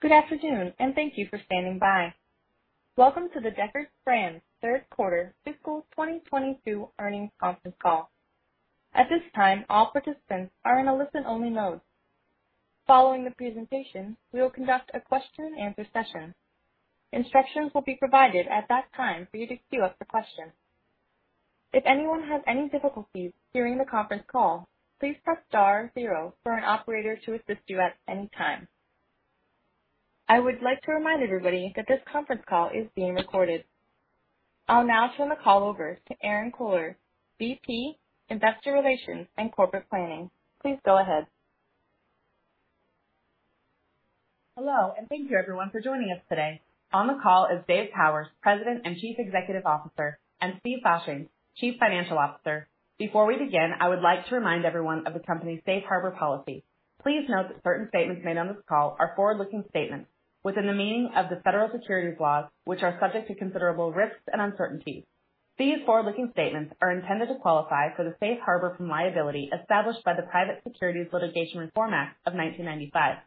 Good afternoon, and thank you for standing by. Welcome to the Deckers Brands third quarter fiscal 2022 earnings conference call. At this time, all participants are in a listen-only mode. Following the presentation, we will conduct a question-and-answer session. Instructions will be provided at that time for you to queue up the question. If anyone has any difficulties during the conference call, please press star zero for an operator to assist you at any time. I would like to remind everybody that this conference call is being recorded. I'll now turn the call over to Erinn Kohler, VP, Investor Relations and Corporate Planning. Please go ahead. Hello, and thank you everyone for joining us today. On the call is Dave Powers, President and Chief Executive Officer, and Steve Fasching, Chief Financial Officer. Before we begin, I would like to remind everyone of the company's safe harbor policy. Please note that certain statements made on this call are forward-looking statements within the meaning of the federal securities laws, which are subject to considerable risks and uncertainties. These forward-looking statements are intended to qualify for the safe harbor from liability established by the Private Securities Litigation Reform Act of 1995.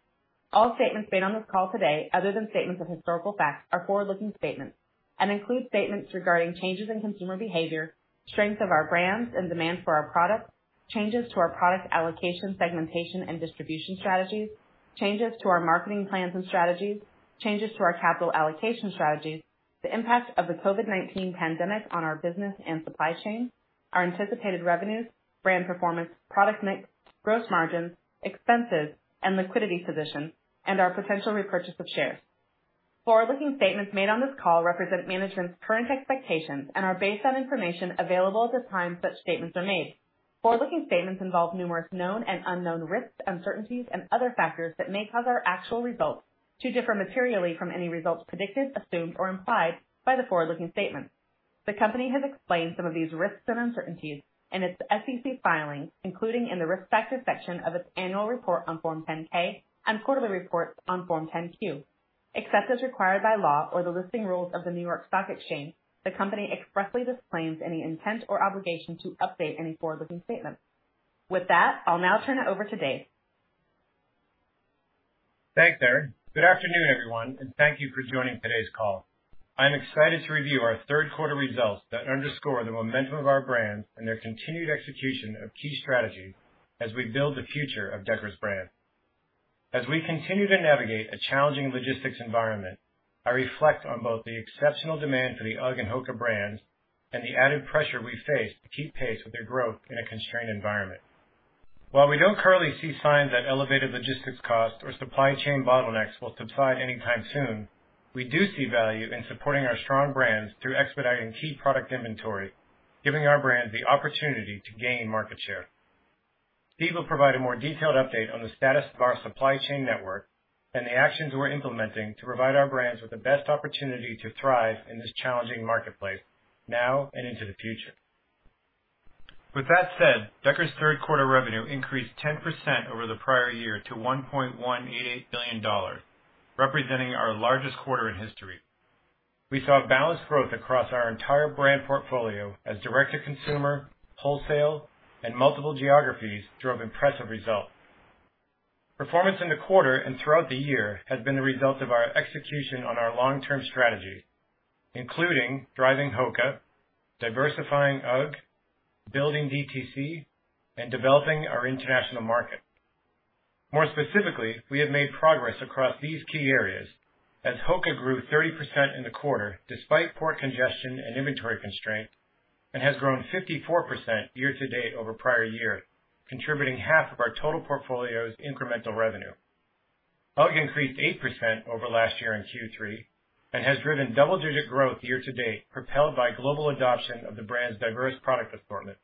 All statements made on this call today, other than statements of historical facts, are forward-looking statements and include statements regarding changes in consumer behavior, strength of our brands and demand for our products, changes to our product allocation, segmentation, and distribution strategies, changes to our marketing plans and strategies, changes to our capital allocation strategies, the impact of the COVID-19 pandemic on our business and supply chain, our anticipated revenues, brand performance, product mix, gross margins, expenses and liquidity position, and our potential repurchase of shares. Forward-looking statements made on this call represent management's current expectations and are based on information available at the time such statements are made. Forward-looking statements involve numerous known and unknown risks, uncertainties and other factors that may cause our actual results to differ materially from any results predicted, assumed or implied by the forward-looking statements. The company has explained some of these risks and uncertainties in its SEC filings, including in the Risk Factors section of its annual report on Form 10-K and quarterly reports on Form 10-Q. Except as required by law or the listing rules of the New York Stock Exchange, the company expressly disclaims any intent or obligation to update any forward-looking statements. With that, I'll now turn it over to Dave. Thanks, Erinn. Good afternoon, everyone, and thank you for joining today's call. I'm excited to review our third quarter results that underscore the momentum of our brands and their continued execution of key strategies as we build the future of Deckers Brands. As we continue to navigate a challenging logistics environment, I reflect on both the exceptional demand for the UGG and HOKA brands and the added pressure we face to keep pace with their growth in a constrained environment. While we don't currently see signs that elevated logistics costs or supply chain bottlenecks will subside anytime soon, we do see value in supporting our strong brands through expediting key product inventory, giving our brands the opportunity to gain market share. Steve will provide a more detailed update on the status of our supply chain network and the actions we're implementing to provide our brands with the best opportunity to thrive in this challenging marketplace now and into the future. With that said, Deckers' third quarter revenue increased 10% over the prior year to $1.188 billion, representing our largest quarter in history. We saw balanced growth across our entire brand portfolio as direct-to-consumer, wholesale, and multiple geographies drove impressive results. Performance in the quarter and throughout the year has been the result of our execution on our long-term strategy, including driving HOKA, diversifying UGG, building DTC, and developing our international market. More specifically, we have made progress across these key areas as HOKA grew 30% in the quarter despite port congestion and inventory constraints, and has grown 54% year to date over prior years, contributing half of our total portfolio's incremental revenue. UGG increased 8% over last year in Q3 and has driven double-digit growth year to date, propelled by global adoption of the brand's diverse product assortment.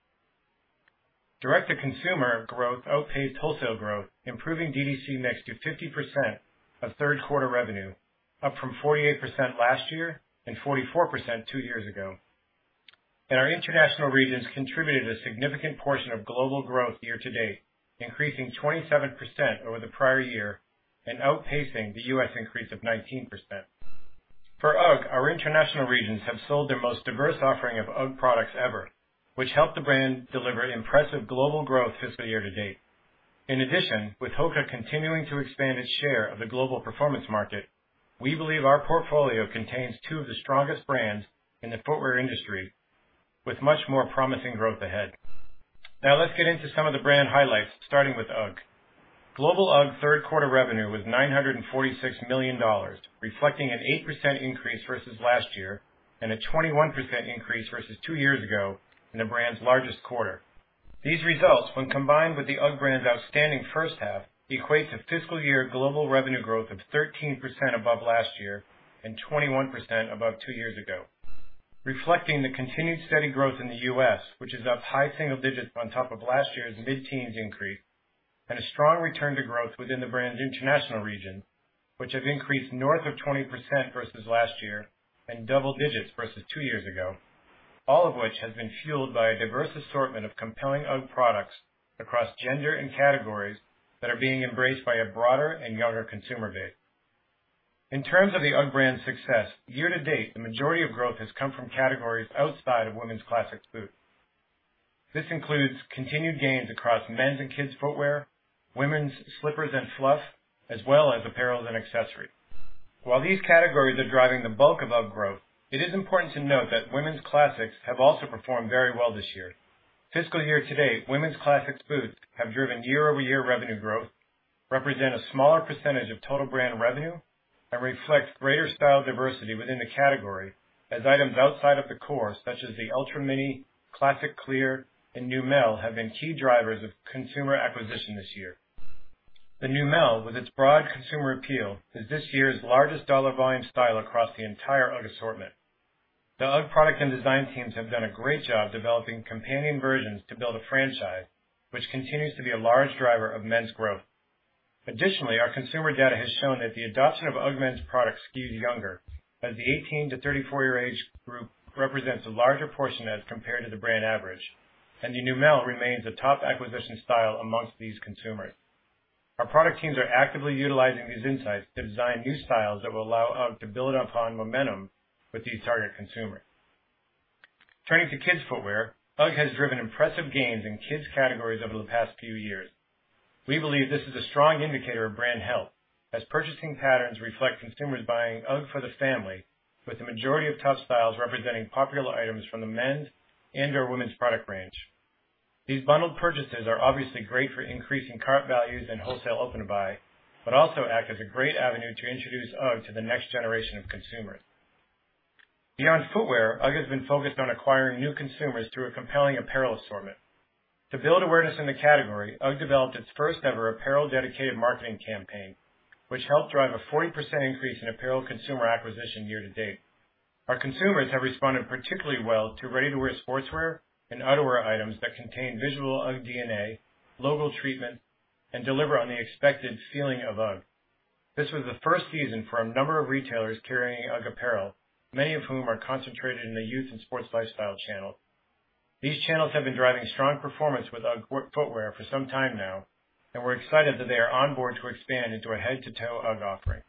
Direct-to-consumer growth outpaced wholesale growth, improving DTC mix to 50% of third quarter revenue, up from 48% last year and 44% two years ago. Our international regions contributed a significant portion of global growth year to date, increasing 27% over the prior year and outpacing the U.S. increase of 19%. For UGG, our international regions have sold their most diverse offering of UGG products ever, which helped the brand deliver impressive global growth fiscal year to date. In addition, with HOKA continuing to expand its share of the global performance market, we believe our portfolio contains two of the strongest brands in the footwear industry, with much more promising growth ahead. Now let's get into some of the brand highlights, starting with UGG. Global UGG third quarter revenue was $946 million, reflecting an 8% increase versus last year and a 21% increase versus two years ago in the brand's largest quarter. These results, when combined with the UGG brand's outstanding first half, equates a fiscal year global revenue growth of 13% above last year and 21% above two years ago. Reflecting the continued steady growth in the U.S., which is up high single digits on top of last year's mid-teens increase, and a strong return to growth within the brand's international region, which have increased north of 20% versus last year and double digits versus two years ago, all of which has been fueled by a diverse assortment of compelling UGG products across gender and categories that are being embraced by a broader and younger consumer base. In terms of the UGG brand's success, year to date, the majority of growth has come from categories outside of women's Classic boot. This includes continued gains across men's and kids' footwear, women's slippers and Fluff, as well as apparel and accessories. While these categories are driving the bulk of UGG growth, it is important to note that women's Classics have also performed very well this year. Fiscal year to date, women's Classic boots have driven year-over-year revenue growth, represent a smaller percentage of total brand revenue, and reflect greater style diversity within the category as items outside of the core, such as the Ultra Mini, Classic Clear, and Neumel, have been key drivers of consumer acquisition this year. The Neumel, with its broad consumer appeal, is this year's largest dollar volume style across the entire UGG assortment. The UGG product and design teams have done a great job developing companion versions to build a franchise, which continues to be a large driver of men's growth. Additionally, our consumer data has shown that the adoption of UGG men's products skews younger as the 18- to 34-year age group represents a larger portion as compared to the brand average, and the Neumel remains a top acquisition style amongst these consumers. Our product teams are actively utilizing these insights to design new styles that will allow UGG to build upon momentum with these target consumers. Turning to kids' footwear, UGG has driven impressive gains in kids' categories over the past few years. We believe this is a strong indicator of brand health as purchasing patterns reflect consumers buying UGG for the family, with the majority of top styles representing popular items from the men's and/or women's product range. These bundled purchases are obviously great for increasing cart values and wholesale open buy, but also act as a great avenue to introduce UGG to the next generation of consumers. Beyond footwear, UGG has been focused on acquiring new consumers through a compelling apparel assortment. To build awareness in the category, UGG developed its first-ever apparel-dedicated marketing campaign, which helped drive a 40% increase in apparel consumer acquisition year to date. Our consumers have responded particularly well to ready-to-wear sportswear and outerwear items that contain visual UGG DNA, logo treatment, and deliver on the expected feeling of UGG. This was the first season for a number of retailers carrying UGG apparel, many of whom are concentrated in the youth and sports lifestyle channels. These channels have been driving strong performance with UGG footwear for some time now, and we're excited that they are on board to expand into a head-to-toe UGG offering.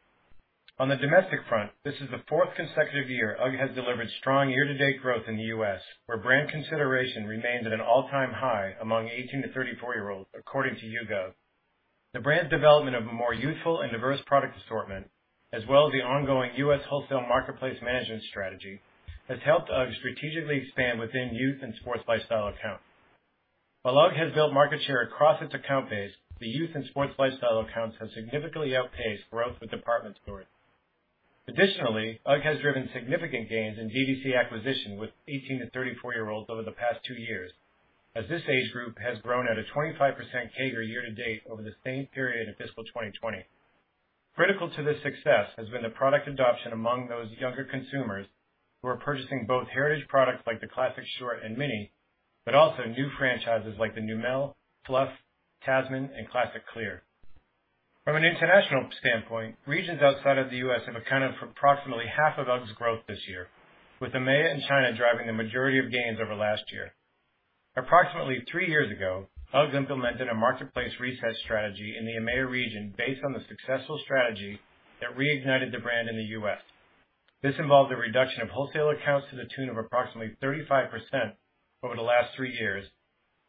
On the domestic front, this is the fourth consecutive year UGG has delivered strong year-to-date growth in the U.S., where brand consideration remains at an all-time high among 18- to 34-year-olds, according to YouGov. The brand's development of a more youthful and diverse product assortment, as well as the ongoing U.S. wholesale marketplace management strategy, has helped UGG strategically expand within youth and sports lifestyle accounts. While UGG has built market share across its account base, the youth and sports lifestyle accounts have significantly outpaced growth with department stores. Additionally, UGG has driven significant gains in DTC acquisition with 18- to 34-year-olds over the past two years, as this age group has grown at a 25% CAGR year to date over the same period of fiscal 2020. Critical to this success has been the product adoption among those younger consumers who are purchasing both heritage products like the Classic Short and Classic Mini, but also new franchises like the Neumel, Fluff, Tasman, and Classic Clear Mini. From an international standpoint, regions outside of the U.S. have accounted for approximately half of UGG's growth this year, with EMEA and China driving the majority of gains over last year. Approximately three years ago, UGG implemented a marketplace reset strategy in the EMEA region based on the successful strategy that reignited the brand in the U.S. This involved a reduction of wholesale accounts to the tune of approximately 35% over the last three years,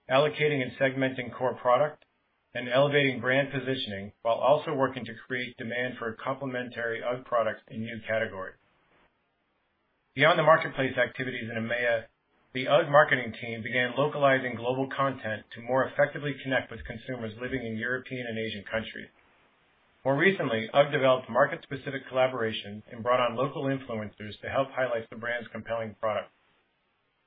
allocating and segmenting core product and elevating brand positioning while also working to create demand for complementary UGG products in new categories. Beyond the marketplace activities in EMEA, the UGG marketing team began localizing global content to more effectively connect with consumers living in European and Asian countries. More recently, UGG developed market-specific collaboration and brought on local influencers to help highlight the brand's compelling products.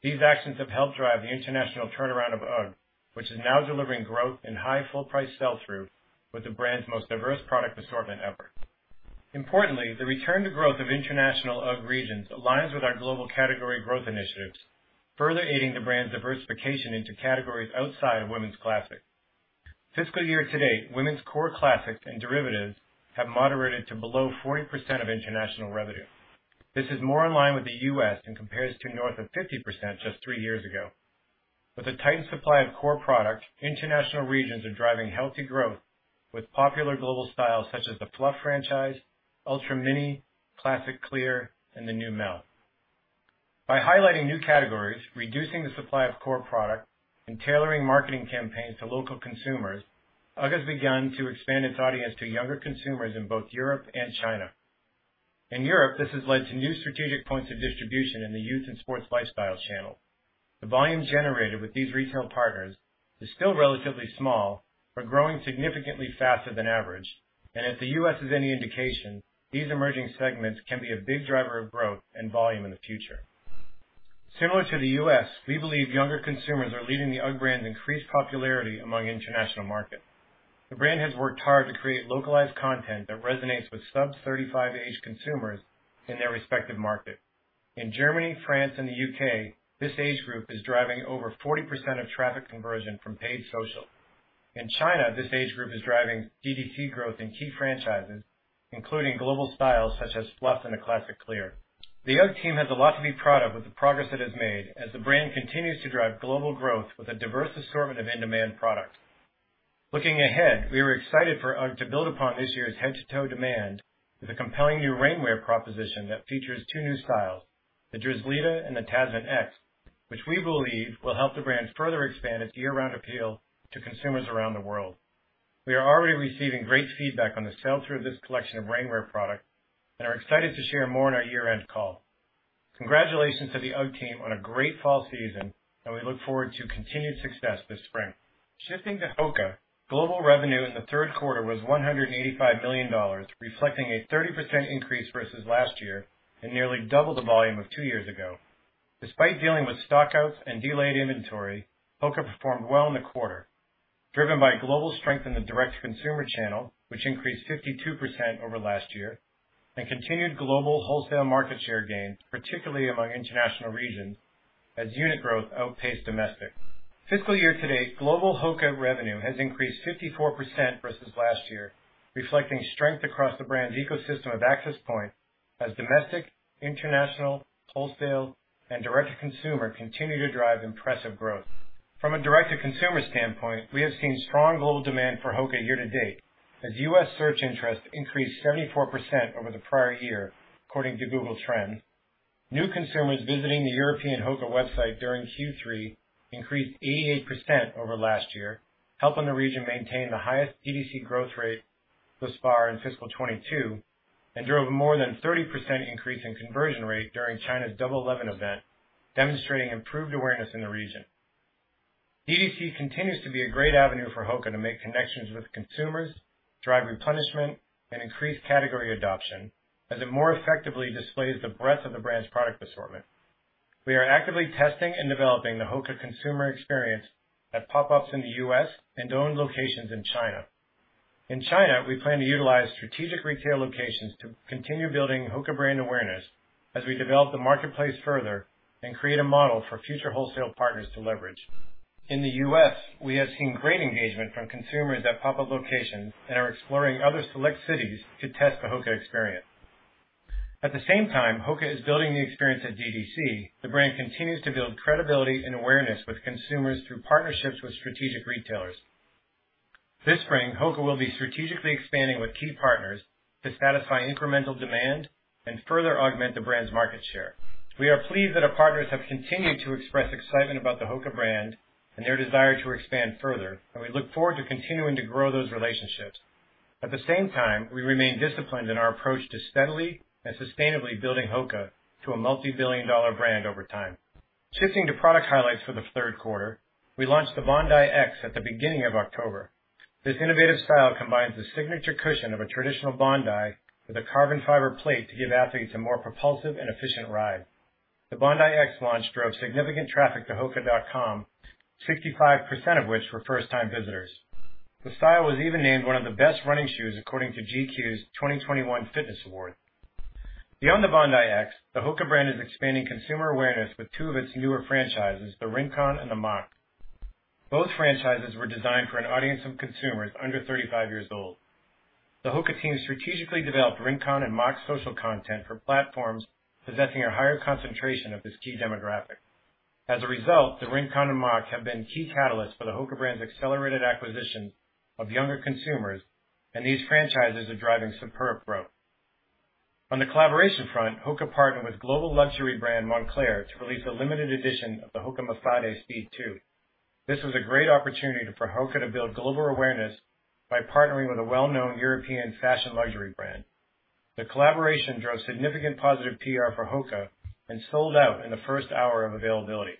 These actions have helped drive the international turnaround of UGG, which is now delivering growth in high full price sell-through with the brand's most diverse product assortment ever. Importantly, the return to growth of international UGG regions aligns with our global category growth initiatives, further aiding the brand's diversification into categories outside of women's classic. Fiscal year to date, women's core classics and derivatives have moderated to below 40% of international revenue. This is more in line with the U.S. and compares to north of 50% just three years ago. With a tight supply of core products, international regions are driving healthy growth with popular global styles such as the Fluff franchise, Ultra Mini, Classic Clear, and the Neumel. By highlighting new categories, reducing the supply of core products, and tailoring marketing campaigns to local consumers, UGG has begun to expand its audience to younger consumers in both Europe and China. In Europe, this has led to new strategic points of distribution in the youth and sports lifestyle channel. The volume generated with these retail partners is still relatively small, but growing significantly faster than average. If the U.S. is any indication, these emerging segments can be a big driver of growth and volume in the future. Similar to the U.S., we believe younger consumers are leading the UGG brand's increased popularity among international markets. The brand has worked hard to create localized content that resonates with sub-35-age consumers in their respective markets. In Germany, France, and the U.K., this age group is driving over 40% of traffic conversion from paid social. In China, this age group is driving DTC growth in key franchises, including global styles such as Fluff and the Classic Clear. The UGG team has a lot to be proud of with the progress it has made as the brand continues to drive global growth with a diverse assortment of in-demand products. Looking ahead, we are excited for UGG to build upon this year's head-to-toe demand with a compelling new rainwear proposition that features two new styles, the Drizlita and the Tasman X, which we believe will help the brand further expand its year-round appeal to consumers around the world. We are already receiving great feedback on the sell-through of this collection of rainwear product and are excited to share more on our year-end call. Congratulations to the UGG team on a great fall season, and we look forward to continued success this spring. Shifting to HOKA, global revenue in the third quarter was $185 million, reflecting a 30% increase versus last year and nearly double the volume of two years ago. Despite dealing with stockouts and delayed inventory, HOKA performed well in the quarter, driven by global strength in the direct-to-consumer channel, which increased 52% over last year, and continued global wholesale market share gains, particularly among international regions, as unit growth outpaced domestic. Fiscal year to date, global HOKA revenue has increased 54% versus last year, reflecting strength across the brand's ecosystem of access point as domestic, international, wholesale, and direct-to-consumer continue to drive impressive growth. From a direct-to-consumer standpoint, we have seen strong global demand for HOKA year to date, as U.S. search interest increased 34% over the prior year, according to Google Trends. New consumers visiting the European HOKA website during Q3 increased 88% over last year, helping the region maintain the highest DTC growth rate thus far in fiscal 2022, and drove a more than 30% increase in conversion rate during China's Double Eleven event, demonstrating improved awareness in the region. DTC continues to be a great avenue for HOKA to make connections with consumers, drive replenishment, and increase category adoption as it more effectively displays the breadth of the brand's product assortment. We are actively testing and developing the HOKA consumer experience at pop-ups in the U.S. and owned locations in China. In China, we plan to utilize strategic retail locations to continue building HOKA brand awareness as we develop the marketplace further and create a model for future wholesale partners to leverage. In the U.S., we have seen great engagement from consumers at pop-up locations and are exploring other select cities to test the HOKA experience. At the same time HOKA is building the experience at DTC, the brand continues to build credibility and awareness with consumers through partnerships with strategic retailers. This spring, HOKA will be strategically expanding with key partners to satisfy incremental demand and further augment the brand's market share. We are pleased that our partners have continued to express excitement about the HOKA brand and their desire to expand further, and we look forward to continuing to grow those relationships. At the same time, we remain disciplined in our approach to steadily and sustainably building HOKA to a multibillion-dollar brand over time. Shifting to product highlights for the third quarter, we launched the Bondi X at the beginning of October. This innovative style combines the signature cushion of a traditional Bondi with a carbon fiber plate to give athletes a more propulsive and efficient ride. The Bondi X launch drove significant traffic to hoka.com, 65% of which were first-time visitors. The style was even named one of the best running shoes, according to GQ's 2021 Fitness Awards. Beyond the Bondi X, the HOKA brand is expanding consumer awareness with two of its newer franchises, the Rincon and the Mach. Both franchises were designed for an audience of consumers under 35 years old. The HOKA team strategically developed Rincon and Mach social content for platforms possessing a higher concentration of this key demographic. As a result, the Rincon and Mach have been key catalysts for the HOKA brand's accelerated acquisition of younger consumers, and these franchises are driving superb growth. On the collaboration front, HOKA partnered with global luxury brand Moncler to release a limited edition of the HOKA Mafate Speed 2. This was a great opportunity for HOKA to build global awareness by partnering with a well-known European fashion luxury brand. The collaboration drove significant positive PR for HOKA and sold out in the first hour of availability.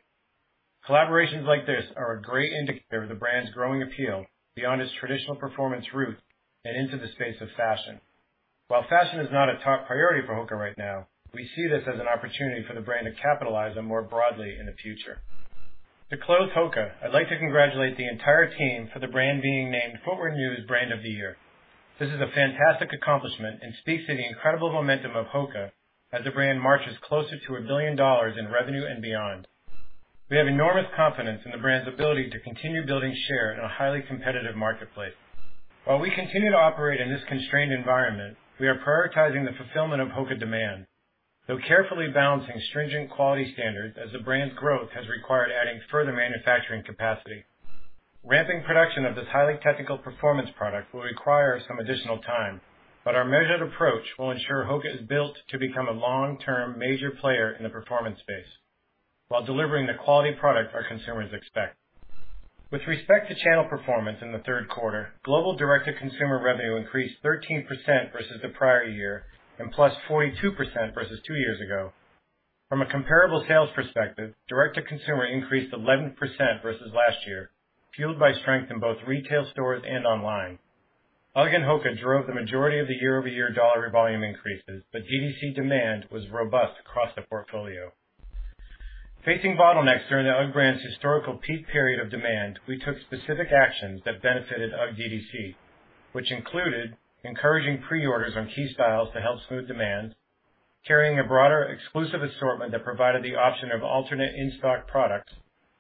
Collaborations like this are a great indicator of the brand's growing appeal beyond its traditional performance roots and into the space of fashion. While fashion is not a top priority for HOKA right now, we see this as an opportunity for the brand to capitalize on more broadly in the future. To close HOKA, I'd like to congratulate the entire team for the brand being named Footwear News Brand of the Year. This is a fantastic accomplishment and speaks to the incredible momentum of HOKA as the brand marches closer to $1 billion in revenue and beyond. We have enormous confidence in the brand's ability to continue building share in a highly competitive marketplace. While we continue to operate in this constrained environment, we are prioritizing the fulfillment of HOKA demand, though carefully balancing stringent quality standards as the brand's growth has required adding further manufacturing capacity. Ramping production of this highly technical performance product will require some additional time, but our measured approach will ensure HOKA is built to become a long-term major player in the performance space while delivering the quality product our consumers expect. With respect to channel performance in the third quarter, global direct-to-consumer revenue increased 13% versus the prior year and +42% versus two years ago. From a comparable sales perspective, direct-to-consumer increased 11% versus last year, fueled by strength in both retail stores and online. UGG and HOKA drove the majority of the year-over-year dollar volume increases, but DTC demand was robust across the portfolio. Facing bottlenecks during the UGG brand's historical peak period of demand, we took specific actions that benefited UGG DTC, which included encouraging pre-orders on key styles to help smooth demand, carrying a broader exclusive assortment that provided the option of alternate in-stock products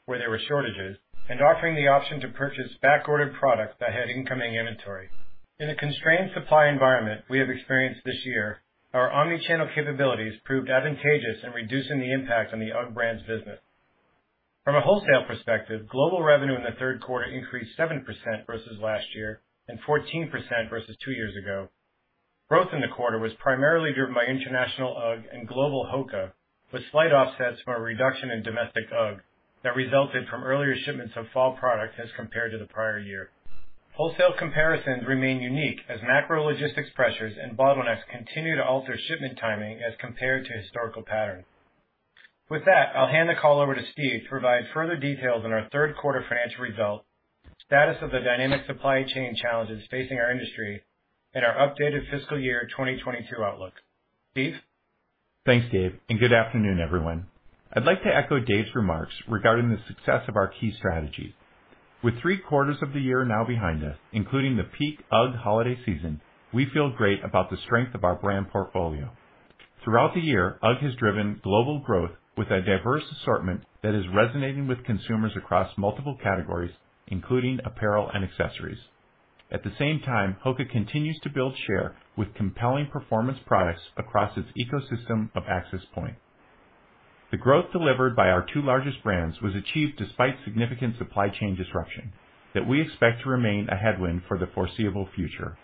where there were shortages, and offering the option to purchase back-ordered products that had incoming inventory. In the constrained supply environment we have experienced this year, our omni-channel capabilities proved advantageous in reducing the impact on the UGG brand's business. From a wholesale perspective, global revenue in the third quarter increased 7% versus last year and 14% versus two years ago. Growth in the quarter was primarily driven by international UGG and global HOKA, with slight offsets from a reduction in domestic UGG that resulted from earlier shipments of fall products as compared to the prior year. Wholesale comparisons remain unique as macro logistics pressures and bottlenecks continue to alter shipment timing as compared to historical patterns. With that, I'll hand the call over to Steve to provide further details on our third quarter financial results, status of the dynamic supply chain challenges facing our industry, and our updated fiscal year 2022 outlook. Steve? Thanks, Dave, and good afternoon, everyone. I'd like to echo Dave's remarks regarding the success of our key strategies. With three quarters of the year now behind us, including the peak UGG holiday season, we feel great about the strength of our brand portfolio. Throughout the year, UGG has driven global growth with a diverse assortment that is resonating with consumers across multiple categories, including apparel and accessories. At the same time, HOKA continues to build share with compelling performance products across its ecosystem of access points. The growth delivered by our two largest brands was achieved despite significant supply chain disruption that we expect to remain a headwind for the foreseeable future.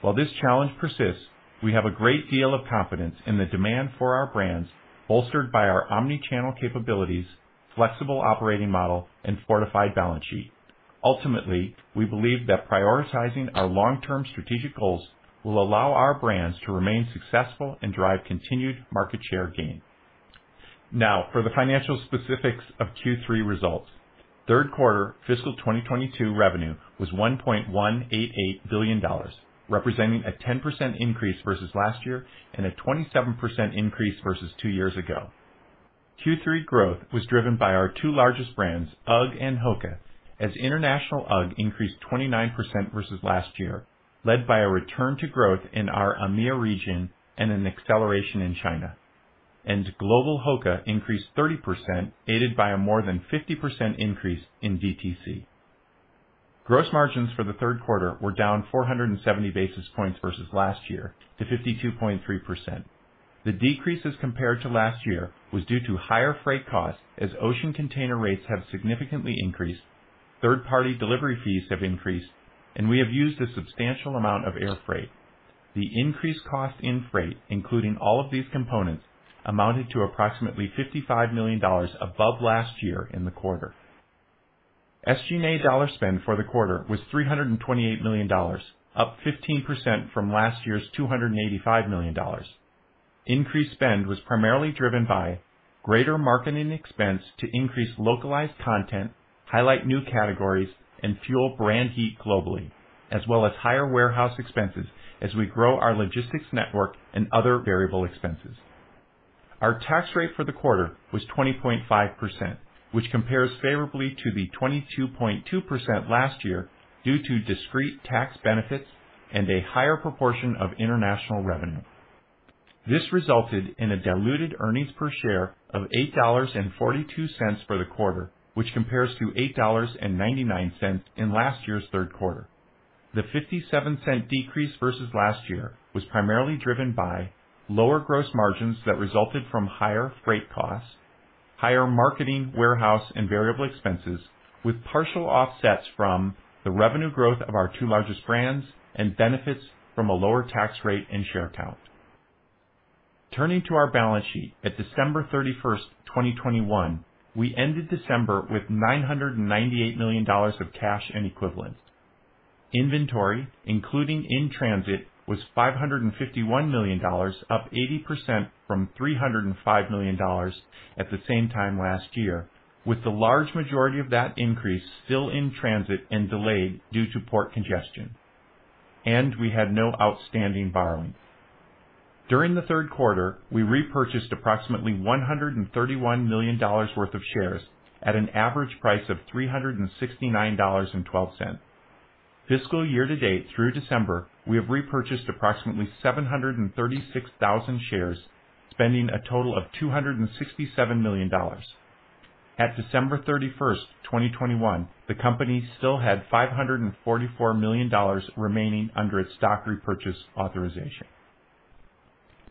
While this challenge persists, we have a great deal of confidence in the demand for our brands, bolstered by our omni-channel capabilities, flexible operating model, and fortified balance sheet. Ultimately, we believe that prioritizing our long-term strategic goals will allow our brands to remain successful and drive continued market share gain. Now for the financial specifics of Q3 results. Third quarter fiscal 2022 revenue was $1.188 billion, representing a 10% increase versus last year and a 27% increase versus two years ago. Q3 growth was driven by our two largest brands, UGG and HOKA, as international UGG increased 29% versus last year, led by a return to growth in our EMEA region and an acceleration in China. Global HOKA increased 30%, aided by a more than 50% increase in DTC. Gross margins for the third quarter were down 470 basis points versus last year to 52.3%. The decrease as compared to last year was due to higher freight costs as ocean container rates have significantly increased, third-party delivery fees have increased, and we have used a substantial amount of air freight. The increased cost in freight, including all of these components, amounted to approximately $55 million above last year in the quarter. SG&A dollar spend for the quarter was $328 million, up 15% from last year's $285 million. Increased spend was primarily driven by greater marketing expense to increase localized content, highlight new categories, and fuel brand heat globally, as well as higher warehouse expenses as we grow our logistics network and other variable expenses. Our tax rate for the quarter was 20.5%, which compares favorably to the 22.2% last year due to discrete tax benefits and a higher proportion of international revenue. This resulted in a diluted earnings per share of $8.42 for the quarter, which compares to $8.99 in last year's third quarter. The $0.57 decrease versus last year was primarily driven by lower gross margins that resulted from higher freight costs, higher marketing, warehouse, and variable expenses, with partial offsets from the revenue growth of our two largest brands and benefits from a lower tax rate and share count. Turning to our balance sheet at December 31st, 2021, we ended December with $998 million of cash and equivalents. Inventory, including in-transit, was $551 million, up 80% from $305 million at the same time last year, with the large majority of that increase still in transit and delayed due to port congestion. We had no outstanding borrowing. During the third quarter, we repurchased approximately $131 million worth of shares at an average price of $369.12. Fiscal year to date through December, we have repurchased approximately 736,000 shares, spending a total of $267 million. At December 31st, 2021, the company still had $544 million remaining under its stock repurchase authorization.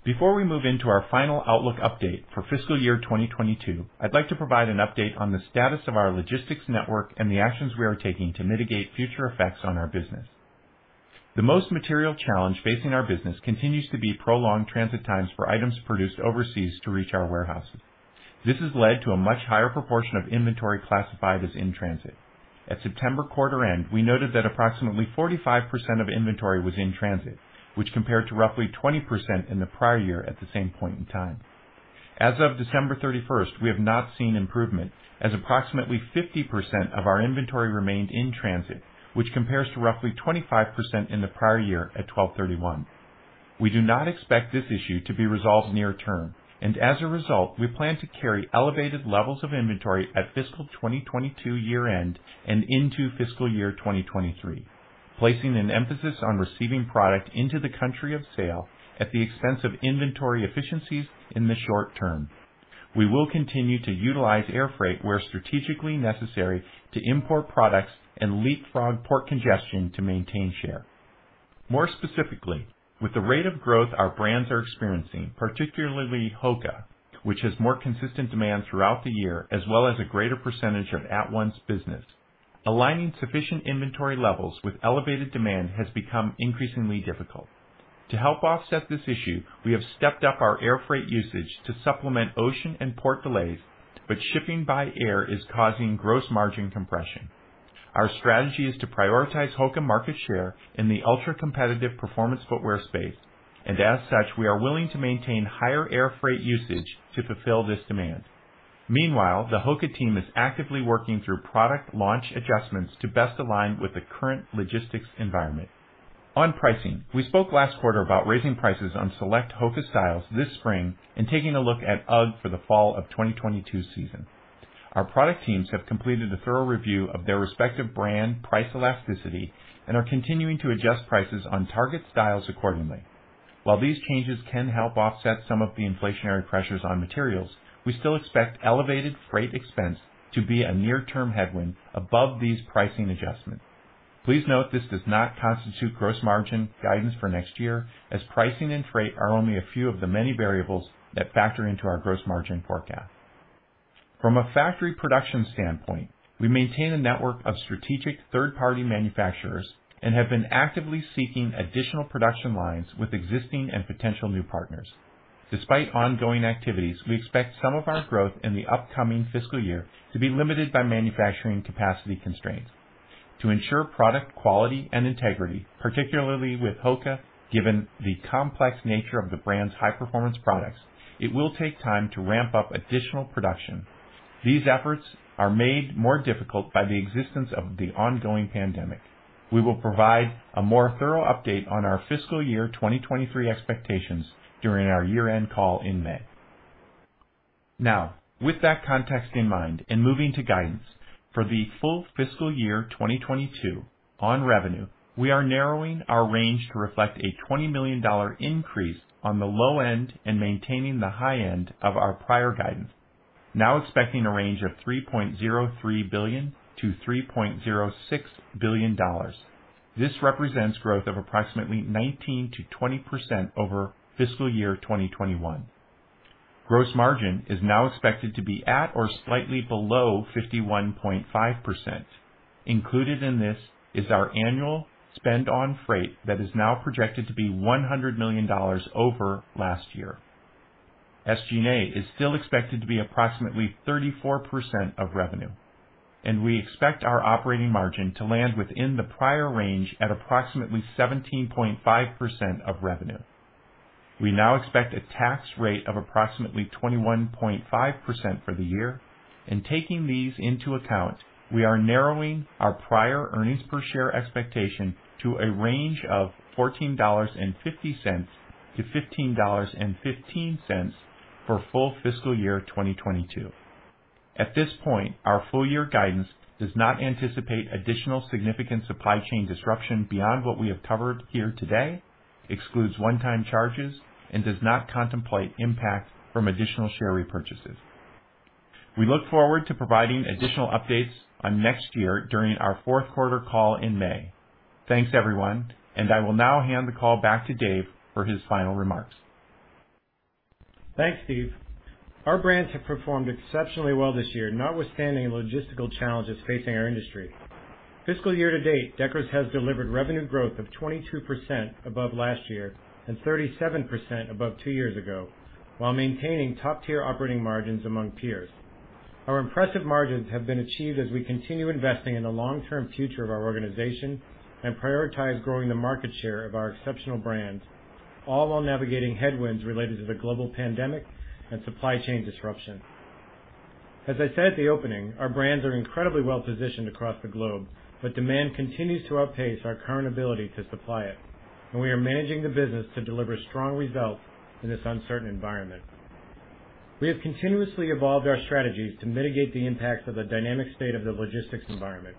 Before we move into our final outlook update for fiscal year 2022, I'd like to provide an update on the status of our logistics network and the actions we are taking to mitigate future effects on our business. The most material challenge facing our business continues to be prolonged transit times for items produced overseas to reach our warehouses. This has led to a much higher proportion of inventory classified as in transit. At September quarter end, we noted that approximately 45% of inventory was in transit, which compared to roughly 20% in the prior year at the same point in time. As of December 31st, we have not seen improvement as approximately 50% of our inventory remained in transit, which compares to roughly 25% in the prior year at 12/31. We do not expect this issue to be resolved near term, and as a result, we plan to carry elevated levels of inventory at fiscal 2022 year-end and into fiscal year 2023, placing an emphasis on receiving product into the country of sale at the expense of inventory efficiencies in the short term. We will continue to utilize air freight where strategically necessary to import products and leapfrog port congestion to maintain share. More specifically, with the rate of growth our brands are experiencing, particularly HOKA, which has more consistent demand throughout the year, as well as a greater percentage of at once business. Aligning sufficient inventory levels with elevated demand has become increasingly difficult. To help offset this issue, we have stepped up our air freight usage to supplement ocean and port delays, but shipping by air is causing gross margin compression. Our strategy is to prioritize HOKA market share in the ultra-competitive performance footwear space, and as such, we are willing to maintain higher air freight usage to fulfill this demand. Meanwhile, the HOKA team is actively working through product launch adjustments to best align with the current logistics environment. On pricing, we spoke last quarter about raising prices on select HOKA styles this spring and taking a look at UGG for the fall of 2022 season. Our product teams have completed a thorough review of their respective brand price elasticity and are continuing to adjust prices on target styles accordingly. While these changes can help offset some of the inflationary pressures on materials, we still expect elevated freight expense to be a near-term headwind above these pricing adjustments. Please note this does not constitute gross margin guidance for next year, as pricing and freight are only a few of the many variables that factor into our gross margin forecast. From a factory production standpoint, we maintain a network of strategic third-party manufacturers and have been actively seeking additional production lines with existing and potential new partners. Despite ongoing activities, we expect some of our growth in the upcoming fiscal year to be limited by manufacturing capacity constraints. To ensure product quality and integrity, particularly with HOKA, given the complex nature of the brand's high-performance products, it will take time to ramp up additional production. These efforts are made more difficult by the existence of the ongoing pandemic. We will provide a more thorough update on our fiscal year 2023 expectations during our year-end call in May. Now, with that context in mind and moving to guidance, for the full fiscal year 2022 on revenue, we are narrowing our range to reflect a $20 million increase on the low end and maintaining the high end of our prior guidance. Now expecting a range of $3.03 billion-$3.06 billion. This represents growth of approximately 19%-20% over fiscal year 2021. Gross margin is now expected to be at or slightly below 51.5%. Included in this is our annual spend on freight that is now projected to be $100 million over last year. SG&A is still expected to be approximately 34% of revenue, and we expect our operating margin to land within the prior range at approximately 17.5% of revenue. We now expect a tax rate of approximately 21.5% for the year. Taking these into account, we are narrowing our prior earnings per share expectation to a range of $14.50-$15.15 for full fiscal year 2022. At this point, our full year guidance does not anticipate additional significant supply chain disruption beyond what we have covered here today, excludes one-time charges, and does not contemplate impact from additional share repurchases. We look forward to providing additional updates on next year during our fourth quarter call in May. Thanks, everyone, and I will now hand the call back to Dave for his final remarks. Thanks, Steve. Our brands have performed exceptionally well this year, notwithstanding logistical challenges facing our industry. Fiscal year to date, Deckers has delivered revenue growth of 22% above last year and 37% above two years ago, while maintaining top-tier operating margins among peers. Our impressive margins have been achieved as we continue investing in the long-term future of our organization and prioritize growing the market share of our exceptional brands, all while navigating headwinds related to the global pandemic and supply chain disruption. As I said at the opening, our brands are incredibly well-positioned across the globe, but demand continues to outpace our current ability to supply it, and we are managing the business to deliver strong results in this uncertain environment. We have continuously evolved our strategies to mitigate the impacts of the dynamic state of the logistics environment.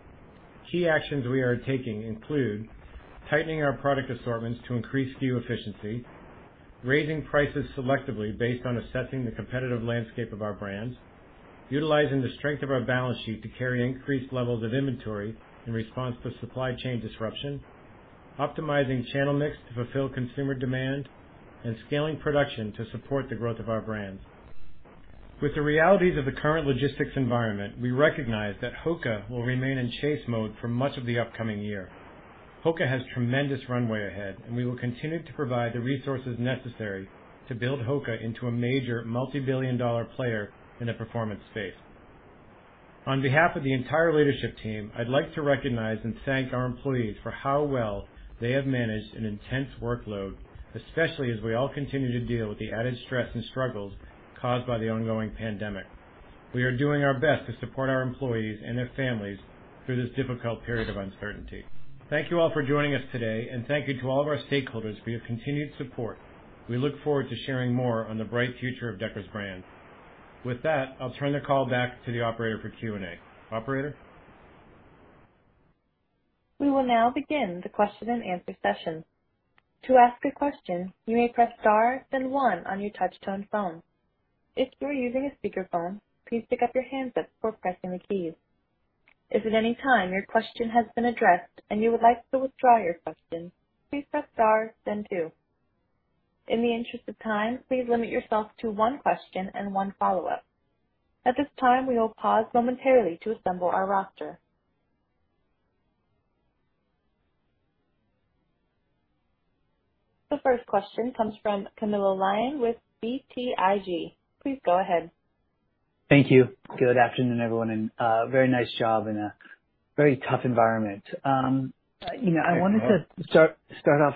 Key actions we are taking include tightening our product assortments to increase SKU efficiency, raising prices selectively based on assessing the competitive landscape of our brands, utilizing the strength of our balance sheet to carry increased levels of inventory in response to supply chain disruption, optimizing channel mix to fulfill consumer demand, and scaling production to support the growth of our brands. With the realities of the current logistics environment, we recognize that HOKA will remain in chase mode for much of the upcoming year. HOKA has tremendous runway ahead, and we will continue to provide the resources necessary to build HOKA into a major multibillion-dollar player in the performance space. On behalf of the entire leadership team, I'd like to recognize and thank our employees for how well they have managed an intense workload, especially as we all continue to deal with the added stress and struggles caused by the ongoing pandemic. We are doing our best to support our employees and their families through this difficult period of uncertainty. Thank you all for joining us today, and thank you to all of our stakeholders for your continued support. We look forward to sharing more on the bright future of Deckers Brands. With that, I'll turn the call back to the operator for Q&A. Operator? We will now begin the question-and-answer session. To ask a question, you may press star then one on your touch-tone phone. If you are using a speakerphone, please pick up your handset before pressing the keys. If at any time your question has been addressed and you would like to withdraw your question, please press star then two. In the interest of time, please limit yourself to one question and one follow-up. At this time, we will pause momentarily to assemble our roster. The first question comes from Camilo Lyon with BTIG. Please go ahead. Thank you. Good afternoon, everyone, and very nice job in a very tough environment. You know, I wanted to start off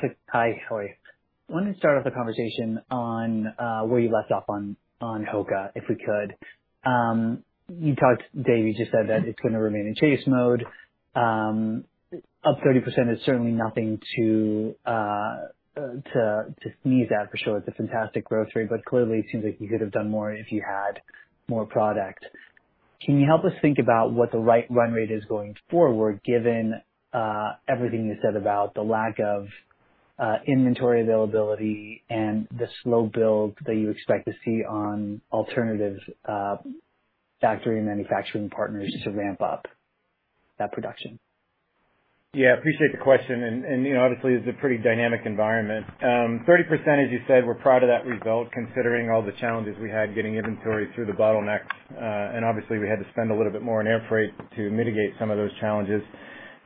the conversation on where you left off on HOKA, if we could. You talked, Dave, you just said that it's gonna remain in chase mode. Up 30% is certainly nothing to sneeze at for sure. It's a fantastic growth rate, but clearly it seems like you could have done more if you had more product. Can you help us think about what the right run rate is going forward, given everything you said about the lack of inventory availability and the slow build that you expect to see on alternatives factory and manufacturing partners to ramp up that production? Yeah, I appreciate the question. You know, obviously it's a pretty dynamic environment. 30%, as you said, we're proud of that result considering all the challenges we had getting inventory through the bottlenecks. Obviously we had to spend a little bit more on air freight to mitigate some of those challenges.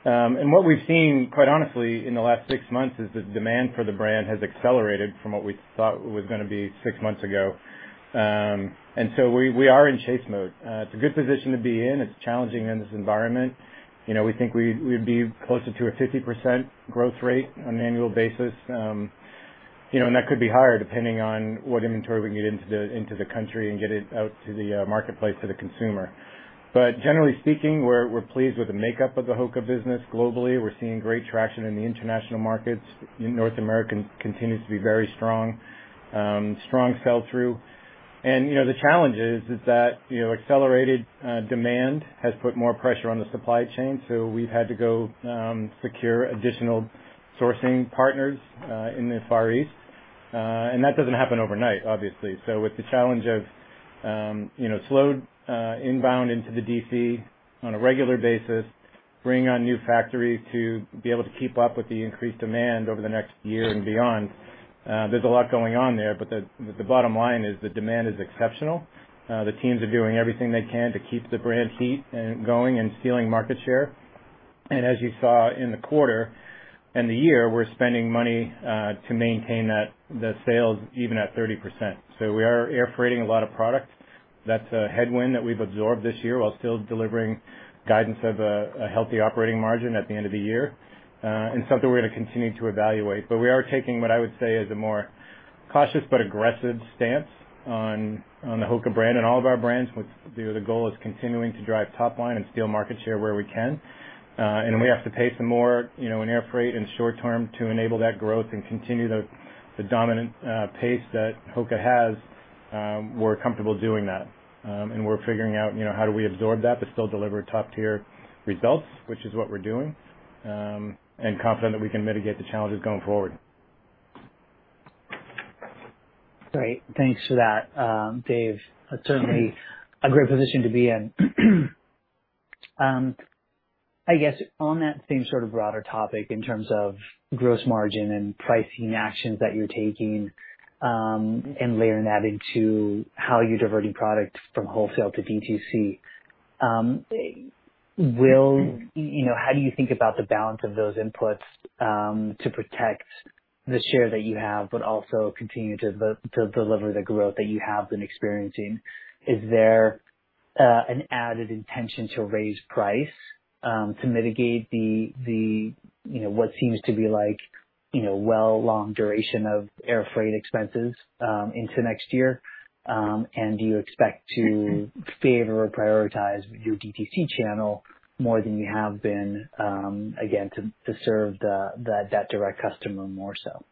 What we've seen, quite honestly, in the last six months is the demand for the brand has accelerated from what we thought was gonna be six months ago. We are in chase mode. It's a good position to be in. It's challenging in this environment. You know, we think we'd be closer to a 50% growth rate on an annual basis. You know, that could be higher depending on what inventory we can get into the country and get it out to the marketplace to the consumer. But generally speaking, we're pleased with the makeup of the HOKA business globally. We're seeing great traction in the international markets. North America continues to be very strong. Strong sell through. You know, the challenge is that accelerated demand has put more pressure on the supply chain, so we've had to go secure additional sourcing partners in the Far East. That doesn't happen overnight, obviously, with the challenge of you know, slowed inbound into the DC on a regular basis, bring on new factories to be able to keep up with the increased demand over the next year and beyond. There's a lot going on there. The bottom line is the demand is exceptional. The teams are doing everything they can to keep the brand heat and going and stealing market share. As you saw in the quarter and the year, we're spending money to maintain that, the sales even at 30%. We are air freighting a lot of product. That's a headwind that we've absorbed this year while still delivering guidance of a healthy operating margin at the end of the year, and something we're gonna continue to evaluate. We are taking what I would say is a more cautious but aggressive stance on the HOKA brand and all of our brands. With the goal is continuing to drive top line and steal market share where we can. We have to pay some more, you know, in air freight and short term to enable that growth and continue the dominant pace that HOKA has. We're comfortable doing that. We're figuring out, you know, how do we absorb that, but still deliver top tier results, which is what we're doing, and confident that we can mitigate the challenges going forward. Great. Thanks for that, Dave. That's certainly a great position to be in. I guess on that same sort of broader topic in terms of gross margin and pricing actions that you're taking, and layering that into how you're diverting products from wholesale to D2C, you know, how do you think about the balance of those inputs to protect the share that you have, but also continue to deliver the growth that you have been experiencing? Is there an added intention to raise price to mitigate the, you know, what seems to be like, you know, well long duration of air freight expenses into next year? Do you expect to favor or prioritize your D2C channel more than you have been, again, to serve that direct customer more so?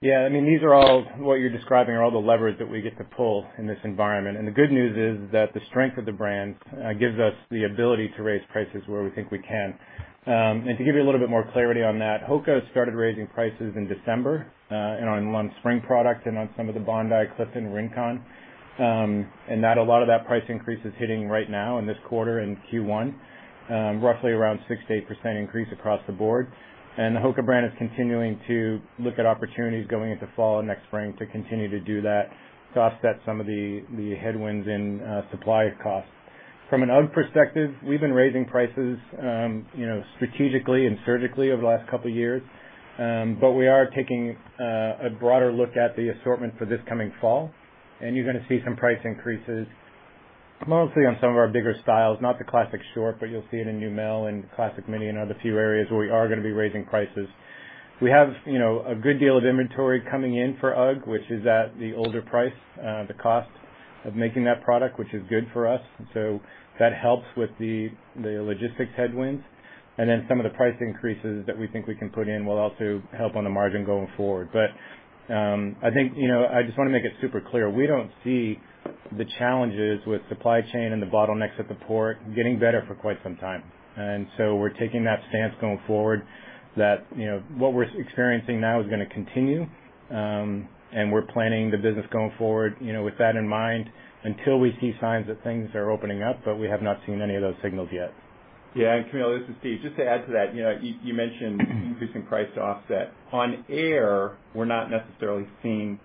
Yeah. I mean, these are all what you're describing are all the levers that we get to pull in this environment. The good news is that the strength of the brand gives us the ability to raise prices where we think we can. To give you a little bit more clarity on that, HOKA started raising prices in December, and on one spring product and on some of the Bondi, Clifton, Rincon, and that a lot of that price increase is hitting right now in this quarter in Q1, roughly around 6%-8% increase across the board. The HOKA brand is continuing to look at opportunities going into fall and next spring to continue to do that to offset some of the headwinds in supply costs. From an UGG perspective, we've been raising prices, you know, strategically and surgically over the last couple years. We are taking a broader look at the assortment for this coming fall, and you're gonna see some price increases mostly on some of our bigger styles, not the Classic Short, but you'll see it in Neumel and Classic Mini and other few areas where we are gonna be raising prices. We have, you know, a good deal of inventory coming in for UGG, which is at the older price, the cost of making that product, which is good for us. That helps with the logistics headwinds. Then some of the price increases that we think we can put in will also help on the margin going forward. I think, you know, I just wanna make it super clear, we don't see the challenges with supply chain and the bottlenecks at the port getting better for quite some time. We're taking that stance going forward that, you know, what we're experiencing now is gonna continue, and we're planning the business going forward, you know, with that in mind until we see signs that things are opening up, but we have not seen any of those signals yet. Yeah, Camille, this is Steve. Just to add to that, you know, you mentioned increasing price to offset. On air, we're not necessarily seeing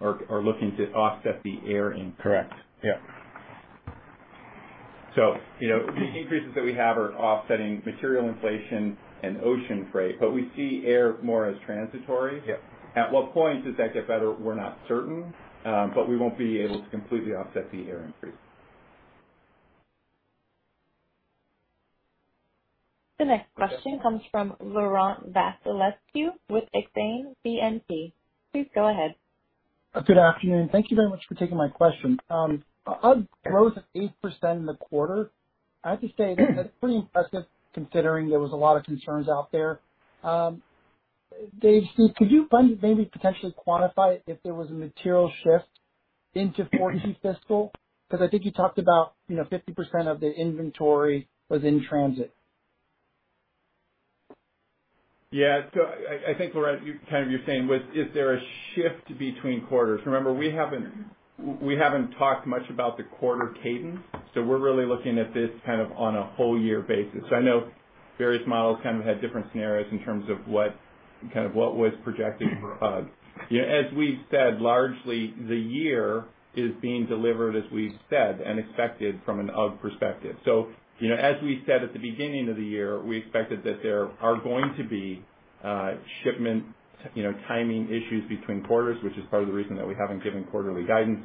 or looking to offset the air increase. Correct. Yeah. You know, the increases that we have are offsetting material inflation and ocean freight, but we see air more as transitory. Yeah. At what point does that get better? We're not certain, but we won't be able to completely offset the air increase. The next question comes from Laurent Vasilescu with Exane BNP. Please go ahead. Good afternoon. Thank you very much for taking my question. UGG growth of 8% in the quarter. I have to say that's pretty impressive considering there was a lot of concerns out there. Dave, Steve, could you kind of maybe potentially quantify if there was a material shift into FY 2022? Because I think you talked about, you know, 50% of the inventory was in transit. Yeah. I think, Laurent, you kind of you're saying is there a shift between quarters? Remember, we haven't talked much about the quarter cadence, so we're really looking at this kind of on a whole year basis. I know various models kind of had different scenarios in terms of what was projected for UGG. You know, as we said, largely the year is being delivered, as we said and expected from an UGG perspective. You know, as we said at the beginning of the year, we expected that there are going to be shipment you know timing issues between quarters, which is part of the reason that we haven't given quarterly guidance.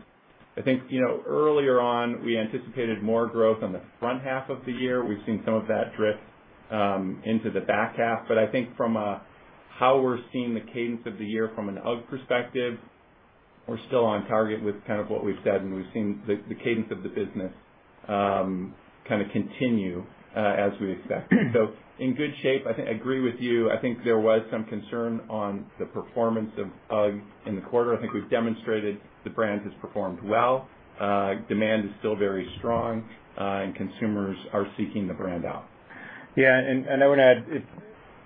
I think, you know, earlier on, we anticipated more growth on the front half of the year. We've seen some of that drift into the back half. I think from how we're seeing the cadence of the year from an UGG perspective, we're still on target with kind of what we've said, and we've seen the cadence of the business kind of continue as we expected. In good shape. I think I agree with you. I think there was some concern on the performance of UGG in the quarter. I think we've demonstrated the brand has performed well. Demand is still very strong and consumers are seeking the brand out. I would add,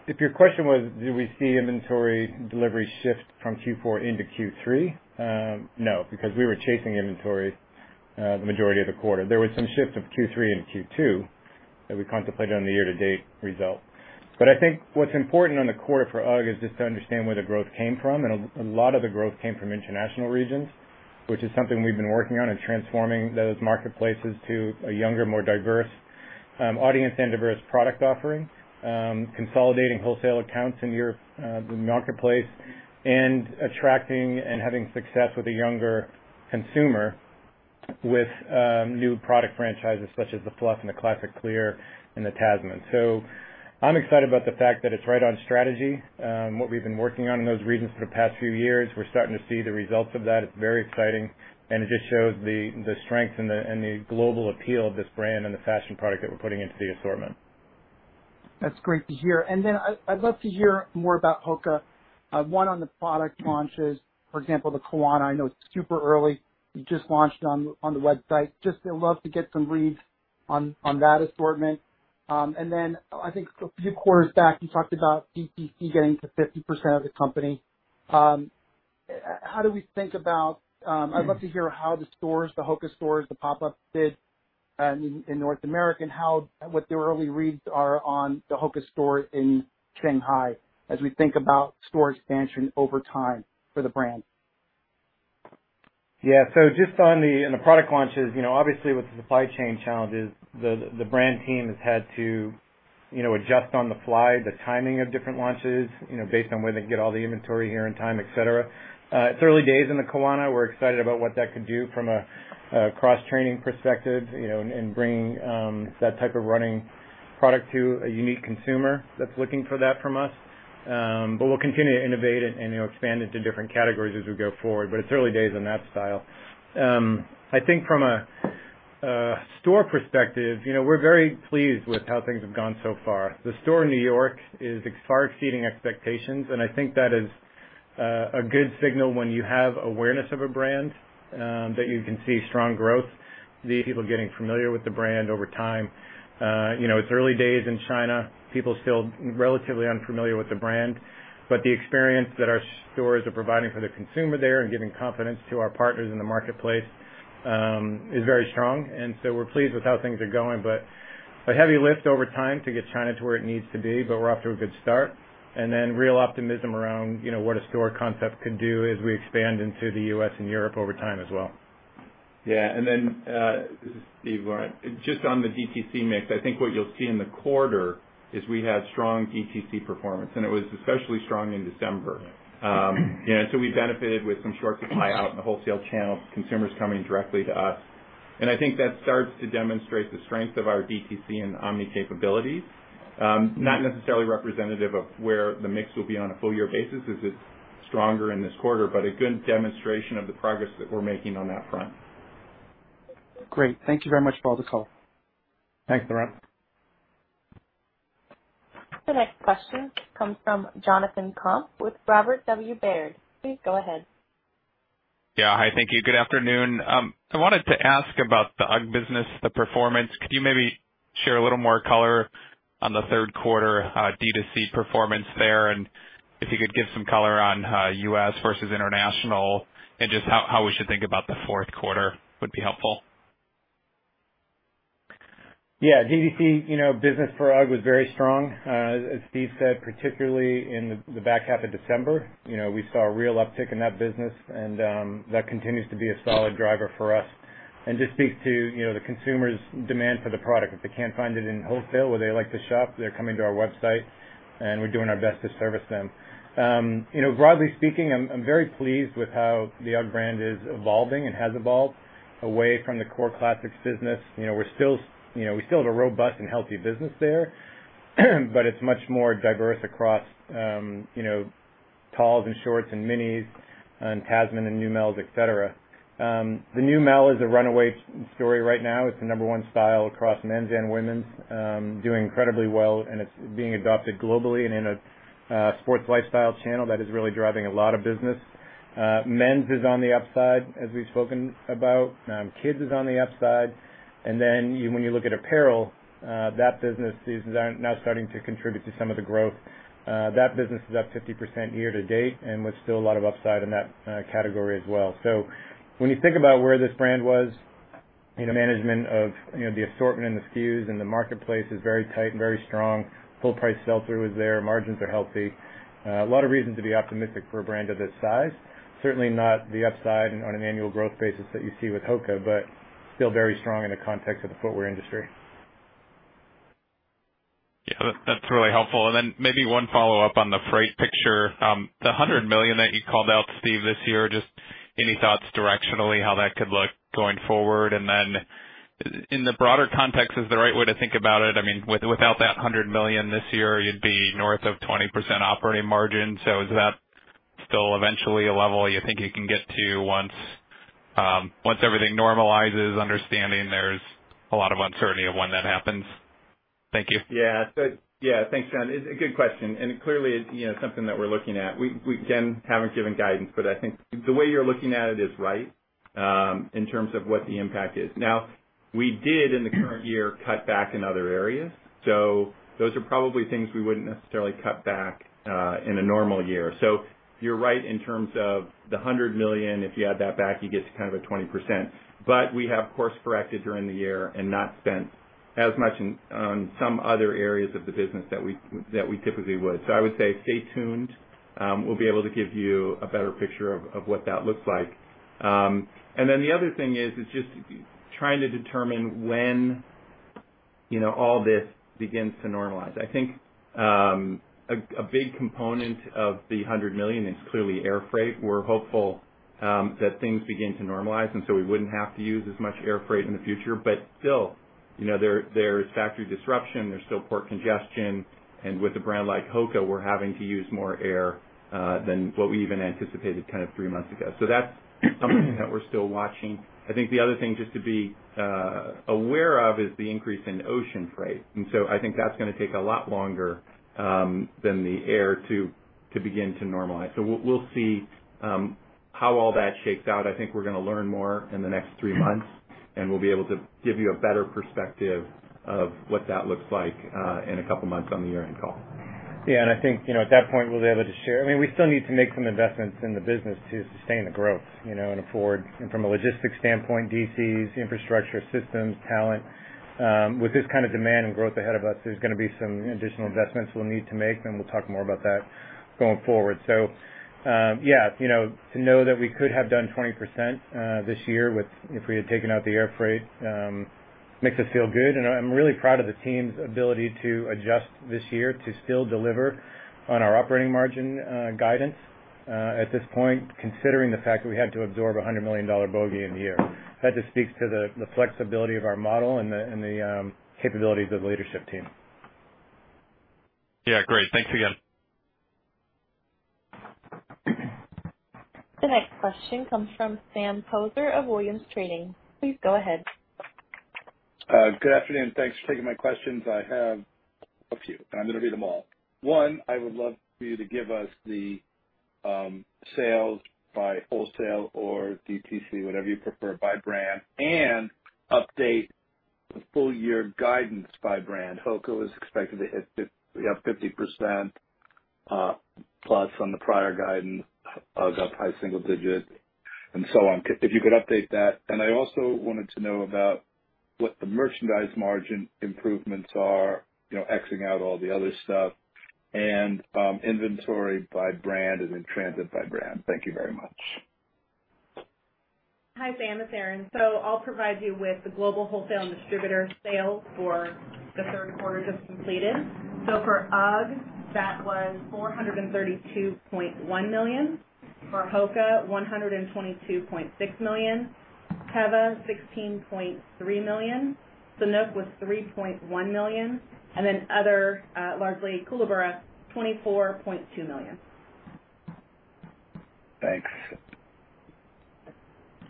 if your question was, do we see inventory delivery shift from Q4 into Q3? No, because we were chasing inventory the majority of the quarter. There was some shift of Q3 and Q2 that we contemplated on the year to date result. I think what's important on the quarter for UGG is just to understand where the growth came from. A lot of the growth came from international regions, which is something we've been working on, transforming those marketplaces to a younger, more diverse audience and diverse product offering, consolidating wholesale accounts in the marketplace and attracting and having success with a younger consumer with new product franchises such as the Fluff, the Classic Clear and the Tasman. I'm excited about the fact that it's right on strategy, what we've been working on in those regions for the past few years. We're starting to see the results of that. It's very exciting, and it just shows the strength and the global appeal of this brand and the fashion product that we're putting into the assortment. That's great to hear. I'd love to hear more about HOKA. One on the product launches, for example, the Kawana, I know it's super early. You just launched on the website. Just I'd love to get some reads on that assortment. I think a few quarters back you talked about DTC getting to 50% of the company. How do we think about, I'd love to hear how the stores, the HOKA stores, the pop-ups did in North America and what the early reads are on the HOKA store in Shanghai as we think about store expansion over time for the brand. Yeah. Just on the product launches, you know, obviously with the supply chain challenges, the brand team has had to, you know, adjust on the fly the timing of different launches, you know, based on where they can get all the inventory here in time, et cetera. It's early days in the Kawana. We're excited about what that could do from a cross-training perspective, you know, in bringing that type of running product to a unique consumer that's looking for that from us. We'll continue to innovate and you know, expand into different categories as we go forward. It's early days on that style. I think from a store perspective, you know, we're very pleased with how things have gone so far. The store in New York is far exceeding expectations, and I think that is a good signal when you have awareness of a brand that you can see strong growth, the people getting familiar with the brand over time. You know, it's early days in China, still relatively unfamiliar with the brand. The experience that our stores are providing for the consumer there and giving confidence to our partners in the marketplace is very strong. We're pleased with how things are going. A heavy lift over time to get China to where it needs to be, but we're off to a good start. Real optimism around, you know, what a store concept could do as we expand into the U.S. and Europe over time as well. Yeah. Then, this is Steve, Laurent. Just on the DTC mix, I think what you'll see in the quarter is we had strong DTC performance, and it was especially strong in December. We benefited with some short supply out in the wholesale channel, consumers coming directly to us. I think that starts to demonstrate the strength of our DTC and omni capability, not necessarily representative of where the mix will be on a full year basis as it's stronger in this quarter, but a good demonstration of the progress that we're making on that front. Great. Thank you very much for the color. Thanks, Laurent. The next question comes from Jonathan Komp with Robert W. Baird. Please go ahead. Yeah. Hi. Thank you. Good afternoon. I wanted to ask about the UGG business, the performance. Could you maybe share a little more color on the third quarter, D2C performance there, and if you could give some color on, U.S. versus international and just how we should think about the fourth quarter would be helpful. Yeah, DTC, you know, business for UGG was very strong. As Steve said, particularly in the back half of December, you know, we saw a real uptick in that business and that continues to be a solid driver for us and just speaks to, you know, the consumer's demand for the product. If they can't find it in wholesale where they like to shop, they're coming to our website, and we're doing our best to service them. You know, broadly speaking, I'm very pleased with how the UGG brand is evolving and has evolved away from the core classics business. You know, we still have a robust and healthy business there, but it's much more diverse across, you know, talls and shorts and minis and Tasman and Neumel, et cetera. The Neumel is a runaway story right now. It's the number one style across men's and women's, doing incredibly well and it's being adopted globally and in a sports lifestyle channel that is really driving a lot of business. Men's is on the upside, as we've spoken about. Kids is on the upside. When you look at apparel, that business is now starting to contribute to some of the growth. That business is up 50% year to date and with still a lot of upside in that category as well. When you think about where this brand was in the management of, you know, the assortment and the SKUs and the marketplace is very tight and very strong. Full price sell-through is there, margins are healthy. A lot of reasons to be optimistic for a brand of this size. Certainly not the upside on an annual growth basis that you see with HOKA, but still very strong in the context of the footwear industry. Yeah, that's really helpful. Maybe one follow-up on the freight picture. The $100 million that you called out, Steve, this year, just any thoughts directionally how that could look going forward? In the broader context, is the right way to think about it? I mean, without that $100 million this year, you'd be north of 20% operating margin. Is that still eventually a level you think you can get to once everything normalizes, understanding there's a lot of uncertainty of when that happens? Thank you. Yeah. Yeah, thanks, John. It's a good question, and clearly, you know, something that we're looking at. We again haven't given guidance, but I think the way you're looking at it is right, in terms of what the impact is. Now, we did, in the current year, cut back in other areas. Those are probably things we wouldn't necessarily cut back, in a normal year. You're right in terms of the $100 million, if you add that back, you get to kind of a 20%. But we have course corrected during the year and not spent as much in, on some other areas of the business that we typically would. I would say stay tuned. We'll be able to give you a better picture of what that looks like. The other thing is just trying to determine when, you know, all this begins to normalize. I think a big component of the $100 million is clearly air freight. We're hopeful that things begin to normalize, and so we wouldn't have to use as much air freight in the future. Still, you know, there's factory disruption. There's still port congestion. With a brand like HOKA, we're having to use more air than what we even anticipated kind of three months ago. That's something that we're still watching. I think the other thing just to be aware of is the increase in ocean freight, and so I think that's gonna take a lot longer than the air to begin to normalize. We'll see how all that shakes out. I think we're gonna learn more in the next three months, and we'll be able to give you a better perspective of what that looks like in a couple months on the year-end call. Yeah, I think, you know, at that point we'll be able to share. I mean, we still need to make some investments in the business to sustain the growth, you know. From a logistics standpoint, DCs, infrastructure, systems, talent. With this kind of demand and growth ahead of us, there's gonna be some additional investments we'll need to make, and we'll talk more about that going forward. You know, to know that we could have done 20% this year if we had taken out the air freight makes us feel good. I'm really proud of the team's ability to adjust this year to still deliver on our operating margin guidance at this point, considering the fact that we had to absorb $100 million bogey in the year. That just speaks to the flexibility of our model and the capabilities of the leadership team. Yeah. Great. Thanks again. The next question comes from Sam Poser of Williams Trading. Please go ahead. Good afternoon, thanks for taking my questions. I have a few, and I'm gonna read them all. One, I would love for you to give us the sales by wholesale or DTC, whatever you prefer, by brand, and update the full year guidance by brand. HOKA was expected to hit 50%, plus on the prior guidance. UGG up high single digits% and so on. If you could update that. I also wanted to know about what the merchandise margin improvements are, you know, X-ing out all the other stuff, and inventory by brand and in transit by brand. Thank you very much. Hi, Sam, it's Erinn. I'll provide you with the global wholesale and distributor sales for the third quarter just completed. For UGG, that was $432.1 million. For HOKA, $122.6 million. Teva, $16.3 million. Sanuk was $3.1 million. Other, largely Koolaburra, $24.2 million. Thanks.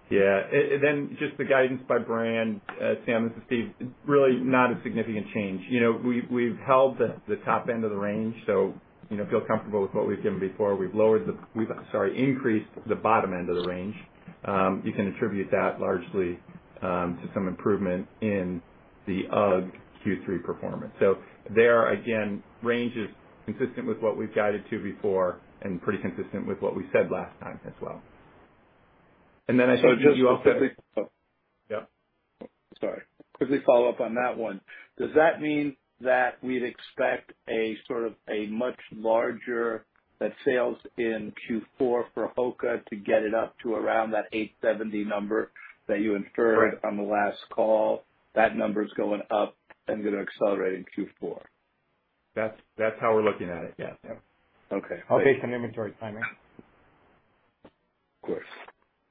Yeah. Then just the guidance by brand, Sam, this is Steve. Really not a significant change. You know, we've held the top end of the range, so, you know, feel comfortable with what we've given before. We've increased the bottom end of the range. You can attribute that largely to some improvement in the UGG Q3 performance. There, again, range is consistent with what we've guided to before and pretty consistent with what we said last time as well. Then I think you also- Just quickly. Oh. Yeah. Sorry. Quickly follow up on that one. Does that mean that we'd expect that sales in Q4 for HOKA to get it up to around that $870 number that you inferred? Correct. On the last call, that number's going up and gonna accelerate in Q4? That's how we're looking at it. Yeah. Yeah. Okay. I'll take some inventory timing. Of course.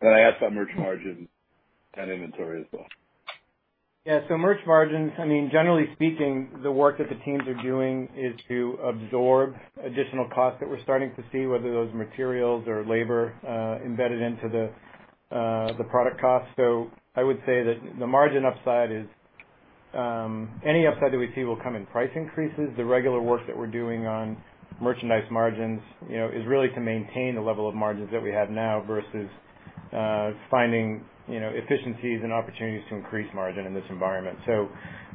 Can I ask about merch margin and inventory as well? Yeah. Merch margins, I mean, generally speaking, the work that the teams are doing is to absorb additional costs that we're starting to see, whether those materials or labor embedded into the product cost. I would say that the margin upside is any upside that we see will come in price increases. The regular work that we're doing on merchandise margins, you know, is really to maintain the level of margins that we have now versus finding, you know, efficiencies and opportunities to increase margin in this environment.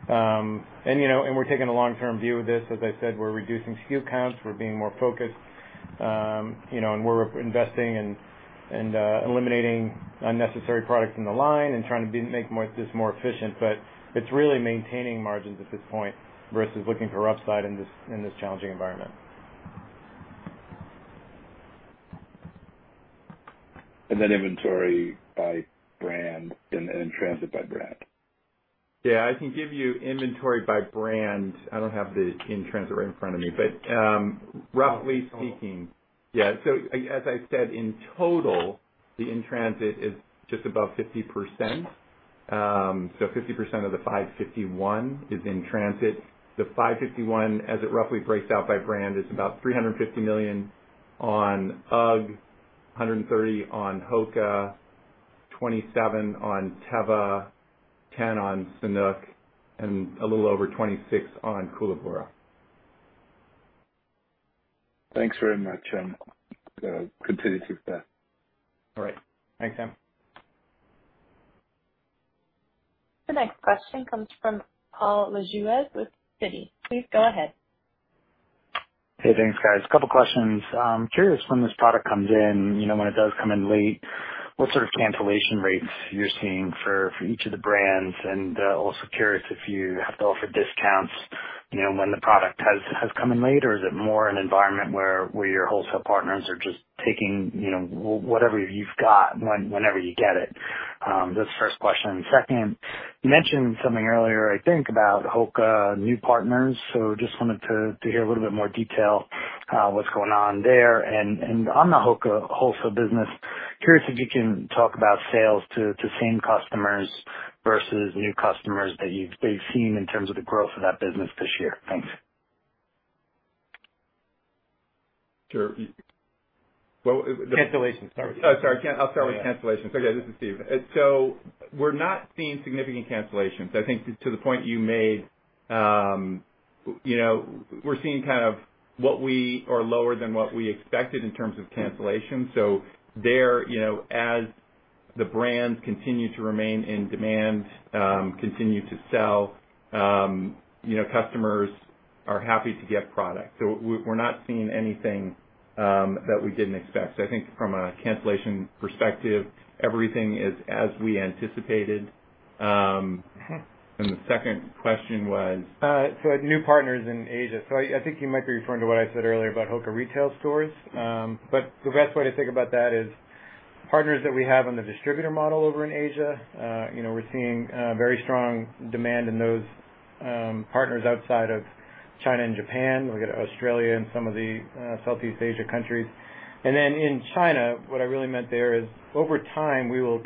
We're taking a long-term view of this. As I said, we're reducing SKU counts. We're being more focused, you know, and we're investing in and eliminating unnecessary products in the line and trying to make this more efficient, but it's really maintaining margins at this point versus looking for upside in this challenging environment. Inventory by brand and in transit by brand. Yeah, I can give you inventory by brand. I don't have the in-transit right in front of me, but, roughly speaking. As I said, in total, the in-transit is just above 50%. 50% of the $551 million is in transit. The $551 million, as it roughly breaks out by brand, is about $350 million on UGG, $130 million on HOKA, $27 million on Teva, $10 million on Sanuk, and a little over $26 million on Koolaburra. Thanks very much. I'm good to see that. All right. Thanks, Sam. The next question comes from Paul Lejuez with Citi. Please go ahead. Hey, thanks, guys. A couple questions. Curious when this product comes in, you know, when it does come in late, what sort of cancellation rates you're seeing for each of the brands, and also curious if you have to offer discounts, you know, when the product has come in late or is it more an environment where your wholesale partners are just taking, you know, whatever you've got whenever you get it? That's the first question. Second, you mentioned something earlier, I think, about HOKA new partners, so just wanted to hear a little bit more detail on what's going on there. On the HOKA wholesale business, curious if you can talk about sales to same customers versus new customers that you've seen in terms of the growth of that business this year. Thanks. Sure. Cancellations. Sorry. I'll start with cancellations. Okay, this is Steve. So we're not seeing significant cancellations. I think to the point you made, you know, we're seeing kind of what we saw or lower than what we expected in terms of cancellations. So there, you know, as the brands continue to remain in demand, continue to sell, you know, customers are happy to get product. So we're not seeing anything that we didn't expect. So I think from a cancellation perspective, everything is as we anticipated. And the second question was? New partners in Asia. I think you might be referring to what I said earlier about HOKA retail stores. The best way to think about that is partners that we have on the distributor model over in Asia, you know, we're seeing very strong demand in those partners outside of China and Japan. We got Australia and some of the Southeast Asia countries. Then in China, what I really meant there is over time, we will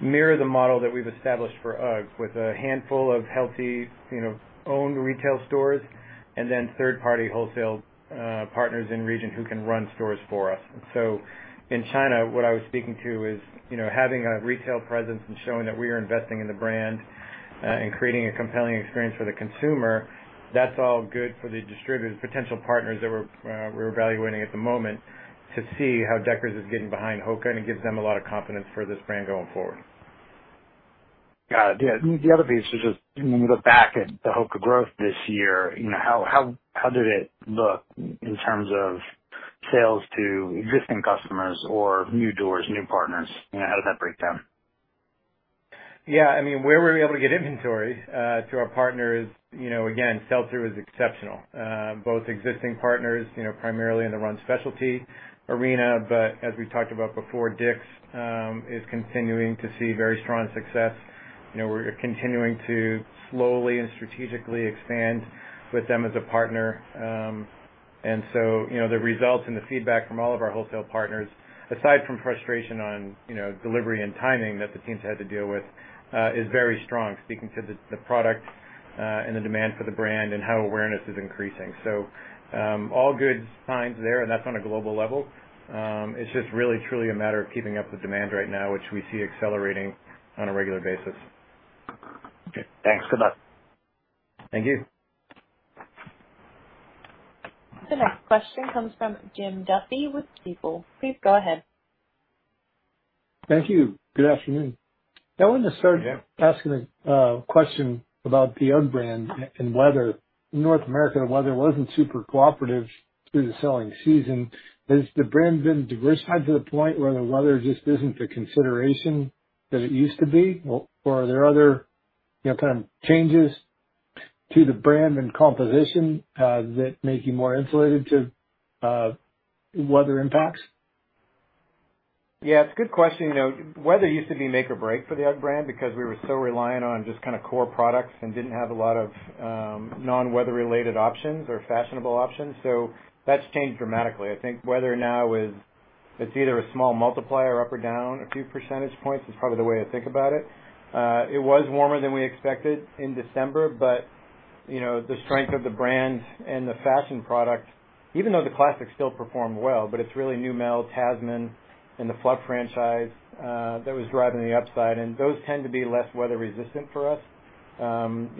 mirror the model that we've established for UGG with a handful of healthy, you know, owned retail stores and then third-party wholesale partners in region who can run stores for us. In China, what I was speaking to is, you know, having a retail presence and showing that we are investing in the brand, and creating a compelling experience for the consumer, that's all good for the distributors, potential partners that we're evaluating at the moment to see how Deckers is getting behind HOKA, and it gives them a lot of confidence for this brand going forward. Got it. Yeah. The other piece is just when we look back at the HOKA growth this year, you know, how did it look in terms of sales to existing customers or new doors, new partners? You know, how does that break down? Yeah, I mean, where were we able to get inventory through our partners, you know, again, sell-through is exceptional. Both existing partners, you know, primarily in the run specialty arena, but as we talked about before, Dick's is continuing to see very strong success. You know, we're continuing to slowly and strategically expand with them as a partner. And so, you know, the results and the feedback from all of our wholesale partners, aside from frustration on, you know, delivery and timing that the teams had to deal with, is very strong, speaking to the product and the demand for the brand and how awareness is increasing. So, all good signs there, and that's on a global level. It's just really truly a matter of keeping up with demand right now, which we see accelerating on a regular basis. Okay. Thanks. Good luck. Thank you. The next question comes from Jim Duffy with Stifel. Please go ahead. Thank you. Good afternoon. I want to start asking a question about the UGG brand and weather. North America weather wasn't super cooperative through the selling season. Has the brand been diversified to the point where the weather just isn't the consideration that it used to be? Or are there other kind of changes to the brand and composition that make you more insulated to weather impacts? Yeah, it's a good question. Weather used to be make or break for the UGG brand because we were so reliant on just kind of core products and didn't have a lot of non weather related options or fashionable options. That's changed dramatically. I think weather now is. It's either a small multiplier up or down a few percentage points is probably the way I think about it. It was warmer than we expected in December. You know, the strength of the brand and the fashion product, even though the classics still performed well. It's really Neumel, Tasman and the Fluff franchise that was driving the upside. Those tend to be less weather resistant for us. For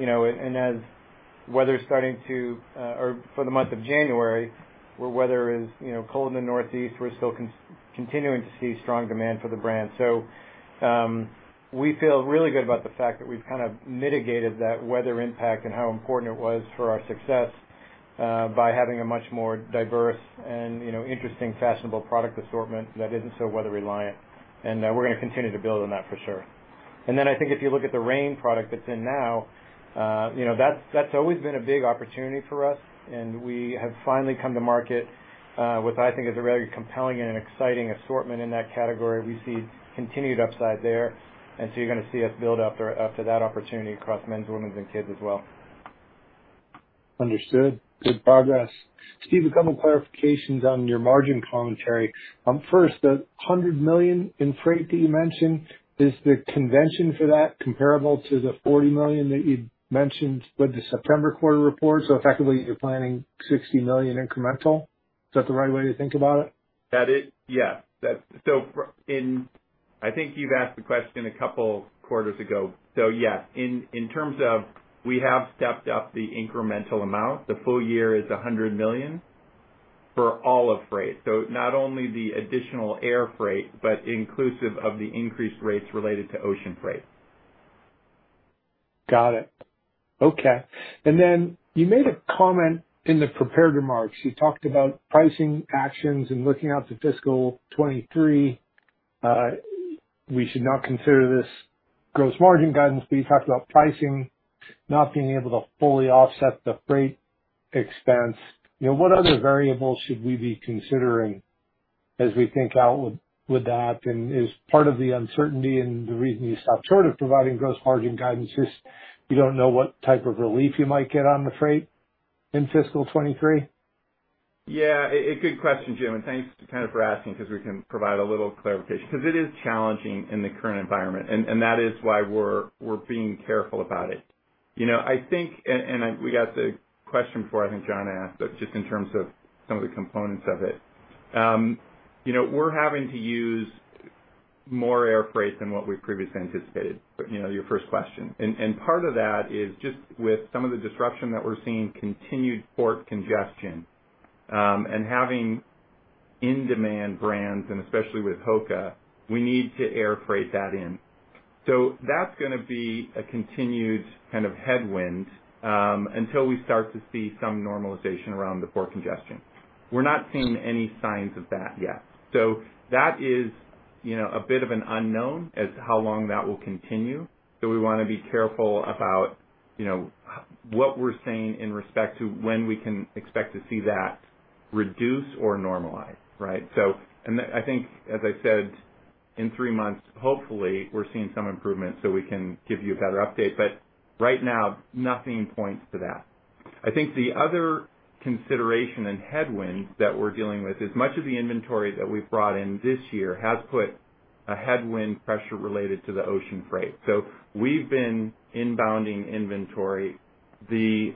the month of January, where weather is cold in the Northeast, we're still continuing to see strong demand for the brand. We feel really good about the fact that we've kind of mitigated that weather impact and how important it was for our success by having a much more diverse and interesting fashionable product assortment that isn't so weather reliant. We're going to continue to build on that for sure. I think if you look at the rain product that's in now, that's always been a big opportunity for us. We have finally come to market with I think is a very compelling and exciting assortment in that category. We see continued upside there. You're going to see us build up after that opportunity across men's, women's and kids as well. Understood. Good progress. Steve, a couple of clarifications on your margin commentary. First, the $100 million in freight that you mentioned, is the convention for that comparable to the $40 million that you mentioned with the September quarter report? Effectively you're planning $60 million incremental. Is that the right way to think about it? That is, yes. I think you've asked the question a couple quarters ago. Yes, in terms of we have stepped up the incremental amount. The full year is $100 million for all of freight. Not only the additional air freight, but inclusive of the increased rates related to ocean freight. Got it. Okay. Then you made a comment in the prepared remarks. You talked about pricing actions and looking out to fiscal 2023. We should not consider this gross margin guidance, but you talked about pricing not being able to fully offset the freight expense. What other variables should we be considering as we think out with that? Is part of the uncertainty and the reason you stopped short of providing gross margin guidance you don't know what type of relief you might get on the freight in fiscal 2023? Yeah, a good question, Jim, and thanks for asking because we can provide a little clarification because it is challenging in the current environment and that is why we're being careful about it. You know, I think and we got the question before I think John asked, but just in terms of some of the components of it, you know, we're having to use more air freight than what we previously anticipated. You know, your first question. Part of that is just with some of the disruption that we're seeing, continued port congestion, and having in-demand brands and especially with HOKA, we need to air freight that in. So that's gonna be a continued kind of headwind until we start to see some normalization around the port congestion. We're not seeing any signs of that yet. That is, you know, a bit of an unknown as to how long that will continue. We want to be careful about, you know, what we're saying in respect to when we can expect to see that reduce or normalize, right? I think as I said, in three months, hopefully we're seeing some improvement so we can give you a better update. Right now nothing points to that. I think the other consideration and headwinds that we're dealing with is much of the inventory that we've brought in this year has put a headwind pressure related to the ocean freight. We've been inbounding inventory. The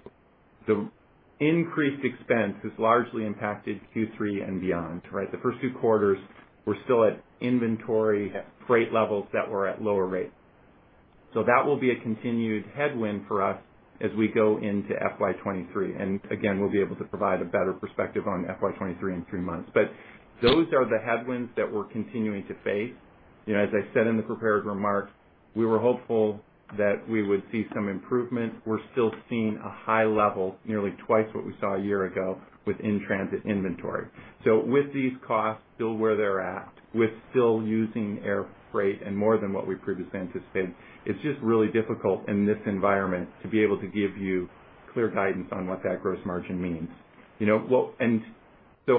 increased expense has largely impacted Q3 and beyond, right? The first two quarters were still at inventory freight levels that were at lower rates. that will be a continued headwind for us as we go into FY 2023. again, we'll be able to provide a better perspective on FY 2023 in three months. those are the headwinds that we're continuing to face. As I said in the prepared remarks, we were hopeful that we would see some improvement. We're still seeing a high level, nearly twice what we saw a year ago with in-transit inventory. with these costs still where they're at, with still using air freight and more than what we previously anticipated, it's just really difficult in this environment to be able to give you clear guidance on what that gross margin means.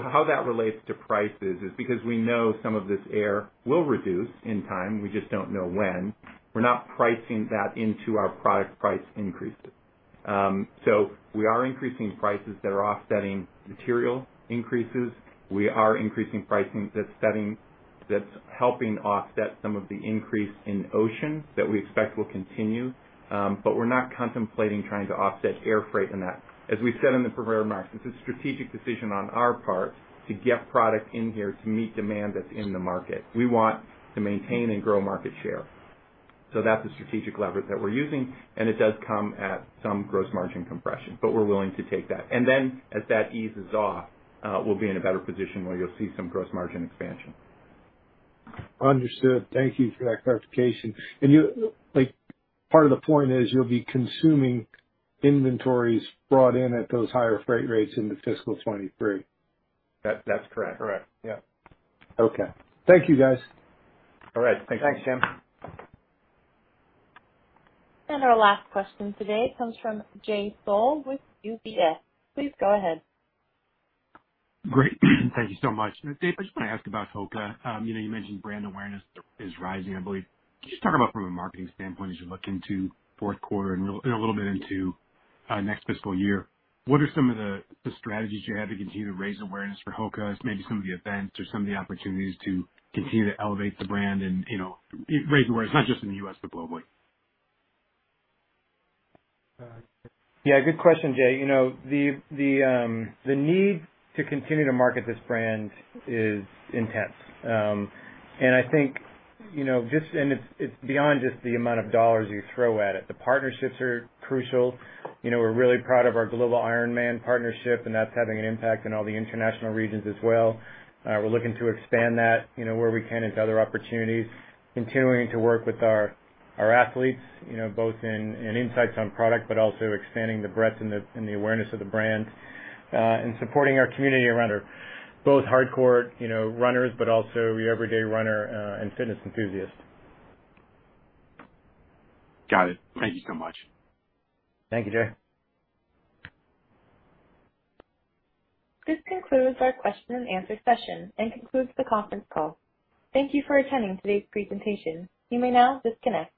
how that relates to prices is because we know some of this air will reduce in time, we just don't know when. We're not pricing that into our product price increases. We are increasing prices that are offsetting material increases. We are increasing pricing that's helping offset some of the increase in ocean that we expect will continue. We're not contemplating trying to offset air freight in that. As we said in the prepared remarks, it's a strategic decision on our part to get product in here to meet demand that's in the market. We want to maintain and grow market share. That's a strategic leverage that we're using, and it does come at some gross margin compression, but we're willing to take that. As that eases off, we'll be in a better position where you'll see some gross margin expansion. Understood. Thank you for that clarification. Like, part of the point is you'll be consuming inventories brought in at those higher freight rates into fiscal 2023. That, that's correct. Correct. Yeah. Okay. Thank you, guys. All right. Thank you. Thanks, Jim. Our last question today comes from Jay Sole with UBS. Please go ahead. Great. Thank you so much. Dave, I just wanna ask about HOKA. You know, you mentioned brand awareness is rising, I believe. Can you just talk about from a marketing standpoint as you look into fourth quarter and a little bit into next fiscal year, what are some of the strategies you have to continue to raise awareness for HOKA? Maybe some of the events or some of the opportunities to continue to elevate the brand and, you know, raise awareness, not just in the U.S., but globally. Yeah, good question, Jay. You know, the need to continue to market this brand is intense. I think, you know, it's beyond just the amount of dollars you throw at it. The partnerships are crucial. You know, we're really proud of our global Ironman partnership, and that's having an impact in all the international regions as well. We're looking to expand that, you know, where we can into other opportunities, continuing to work with our athletes, you know, both in insights on product, but also expanding the breadth and the awareness of the brand, and supporting our community around both our hardcore, you know, runners, but also your everyday runner and fitness enthusiasts. Got it. Thank you so much. Thank you, Jay. This concludes our question and answer session and concludes the conference call. Thank you for attending today's presentation. You may now disconnect.